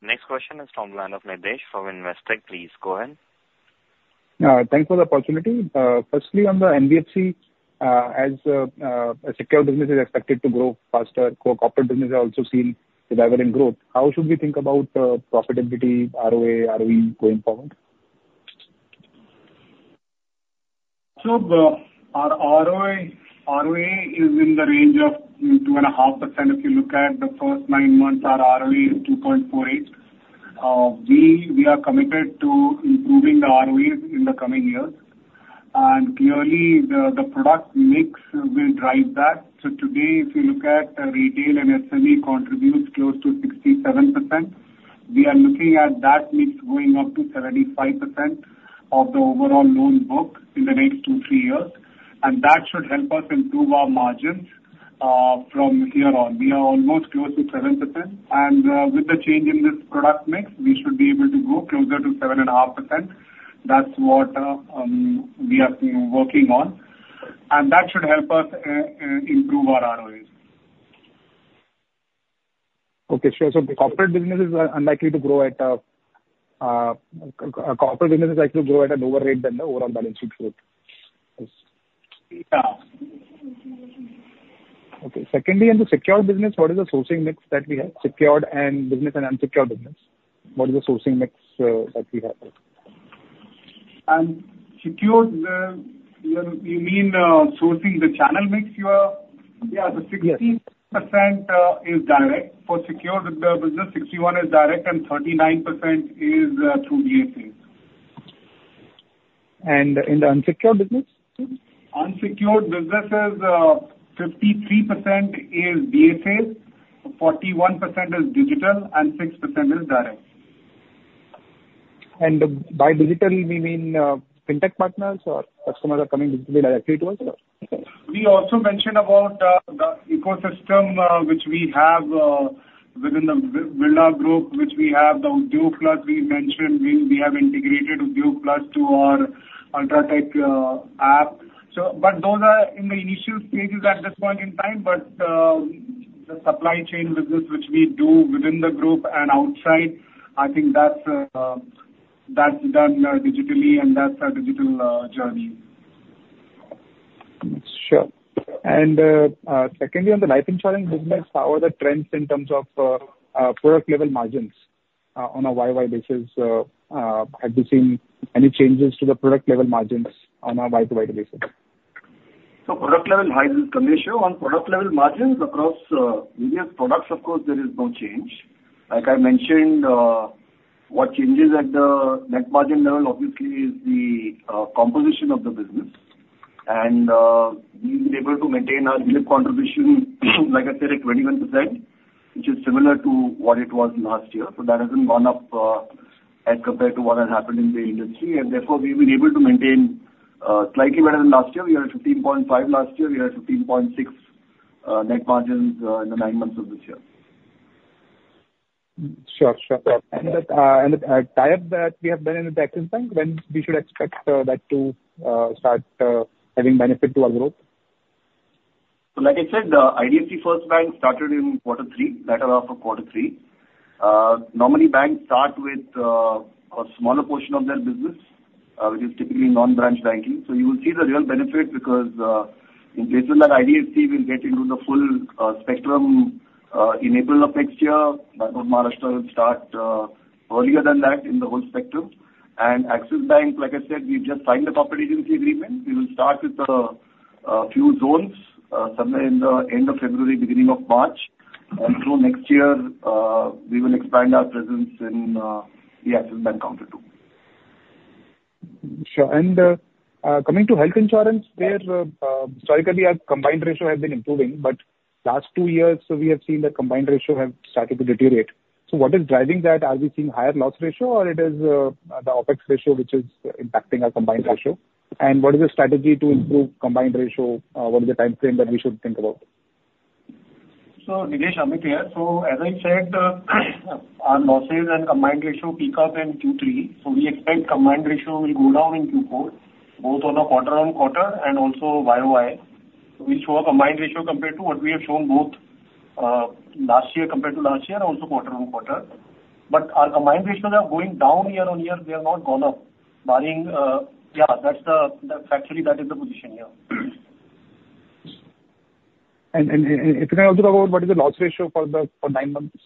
Next question is from the line of Nidhesh from Investec. Please go ahead. Thanks for the opportunity. Firstly, on the NBFC, as secured business is expected to grow faster, corporate business are also seeing resilient growth. How should we think about profitability, ROA, ROE going forward? So our ROA, ROE is in the range of 2.5%. If you look at the first 9 months, our ROE is 2.48. We are committed to improving the ROEs in the coming years, and clearly, the product mix will drive that. So today, if you look at retail and SME contributes close to 67%, we are looking at that mix going up to 75% of the overall loan book in the next 2-3 years, and that should help us improve our margins from here on. We are almost close to 7%, and with the change in this product mix, we should be able to grow closer to 7.5%. That's what we are working on, and that should help us improve our ROEs. Okay, sure. So the corporate businesses are unlikely to grow at, corporate business is likely to grow at a lower rate than the overall balance sheet growth? Yeah. Okay. Secondly, in the secured business, what is the sourcing mix that we have? Secured and business and unsecured business. What is the sourcing mix that we have there? Secured, you mean sourcing the channel mix you are? Yeah. Yes. The 60% is direct. For secured, the business, 61% is direct and 39% is through DSA. And the unsecured business? Unsecured businesses, 53% is DFAs, 41% is digital and 6% is direct. And by digital, we mean, fintech partners or customers are coming directly to us or? We also mentioned about the ecosystem, which we have within the Birla Group, which we have the Udyog Plus we mentioned. We have integrated Udyog Plus to our Ultratech app. So but those are in the initial Stages at this point in time, but the supply chain business which we do within the group and outside, I think that's done digitally and that's our digital journey. Sure. And, secondly, on the life insurance business, how are the trends in terms of product level margins on a YoY basis? Have you seen any changes to the product level margins on a YoY basis? Product level margins, Dinesh, on product level margins across various products, of course, there is no change. Like I mentioned, what changes at the net margin level, obviously is the composition of the business, and we've been able to maintain our GLP contribution, like I said, at 21%, which is similar to what it was last year. So that hasn't gone up, as compared to what has happened in the industry, and therefore we've been able to maintain slightly better than last year. We are at 15.5 last year, we are at 15.6 net margins in the nine months of this year. Sure, sure. And the tie-up that we have done in the Axis Bank, when we should expect that to start having benefit to our growth? So like I said, IDFC First Bank started in quarter three, latter half of quarter three. Normally banks start with a smaller portion of their business, which is typically non-branch banking. So you will see the real benefit because in this one that IDFC will get into the full spectrum in April of next year. Bank of Maharashtra will start earlier than that in the whole spectrum. And Axis Bank, like I said, we've just signed the cooperation agreement. We will start with a few zones somewhere in the end of February, beginning of March. And through next year we will expand our presence in the Axis Bank counter, too. Sure. And, coming to health insurance there, historically, our combined ratio has been improving, but last two years, so we have seen the combined ratio have started to deteriorate. So what is driving that? Are we seeing higher loss ratio or it is, the OpEx ratio which is impacting our combined ratio? And what is the strategy to improve combined ratio? What is the timeframe that we should think about? So Nidhesh, Amit here. So as I said, our losses and combined ratio peak up in Q3, so we expect combined ratio will go down in Q4, both on a quarter-on-quarter and also YoY. We show a combined ratio compared to what we have shown both last year, compared to last year and also quarter-on-quarter. But our combined ratios are going down year-on-year. They have not gone up, barring yeah, that's the, that's actually that is the position, yeah. If you can also talk about what is the loss ratio for the nine months?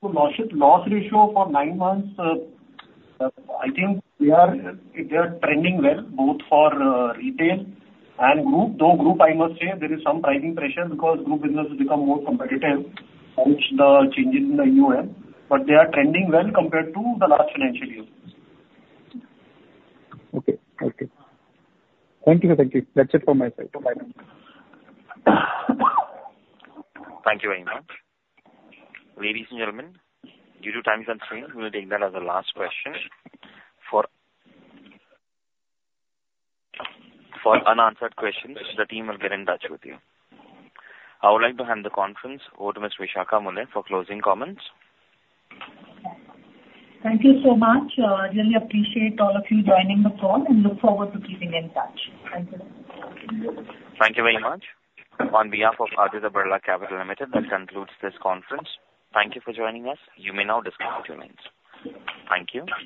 So loss ratio for nine months, I think they are trending well, both for retail and group. Though group, I must say, there is some pricing pressure because group business has become more competitive on which the changes in the EOM, but they are trending well compared to the last financial year. Okay. Thank you. Thank you. That's it from my side. Bye-bye now. Thank you very much. Ladies and gentlemen, due to time constraint, we will take that as the last question. For unanswered questions, the team will get in touch with you. I would like to hand the conference over to Ms. Vishakha Mulye for closing comments. Thank you so much. Really appreciate all of you joining the call, and look forward to keeping in touch. Thank you. Thank you very much. On behalf of Aditya Birla Capital Limited, that concludes this conference. Thank you for joining us. You may now disconnect your lines. Thank you.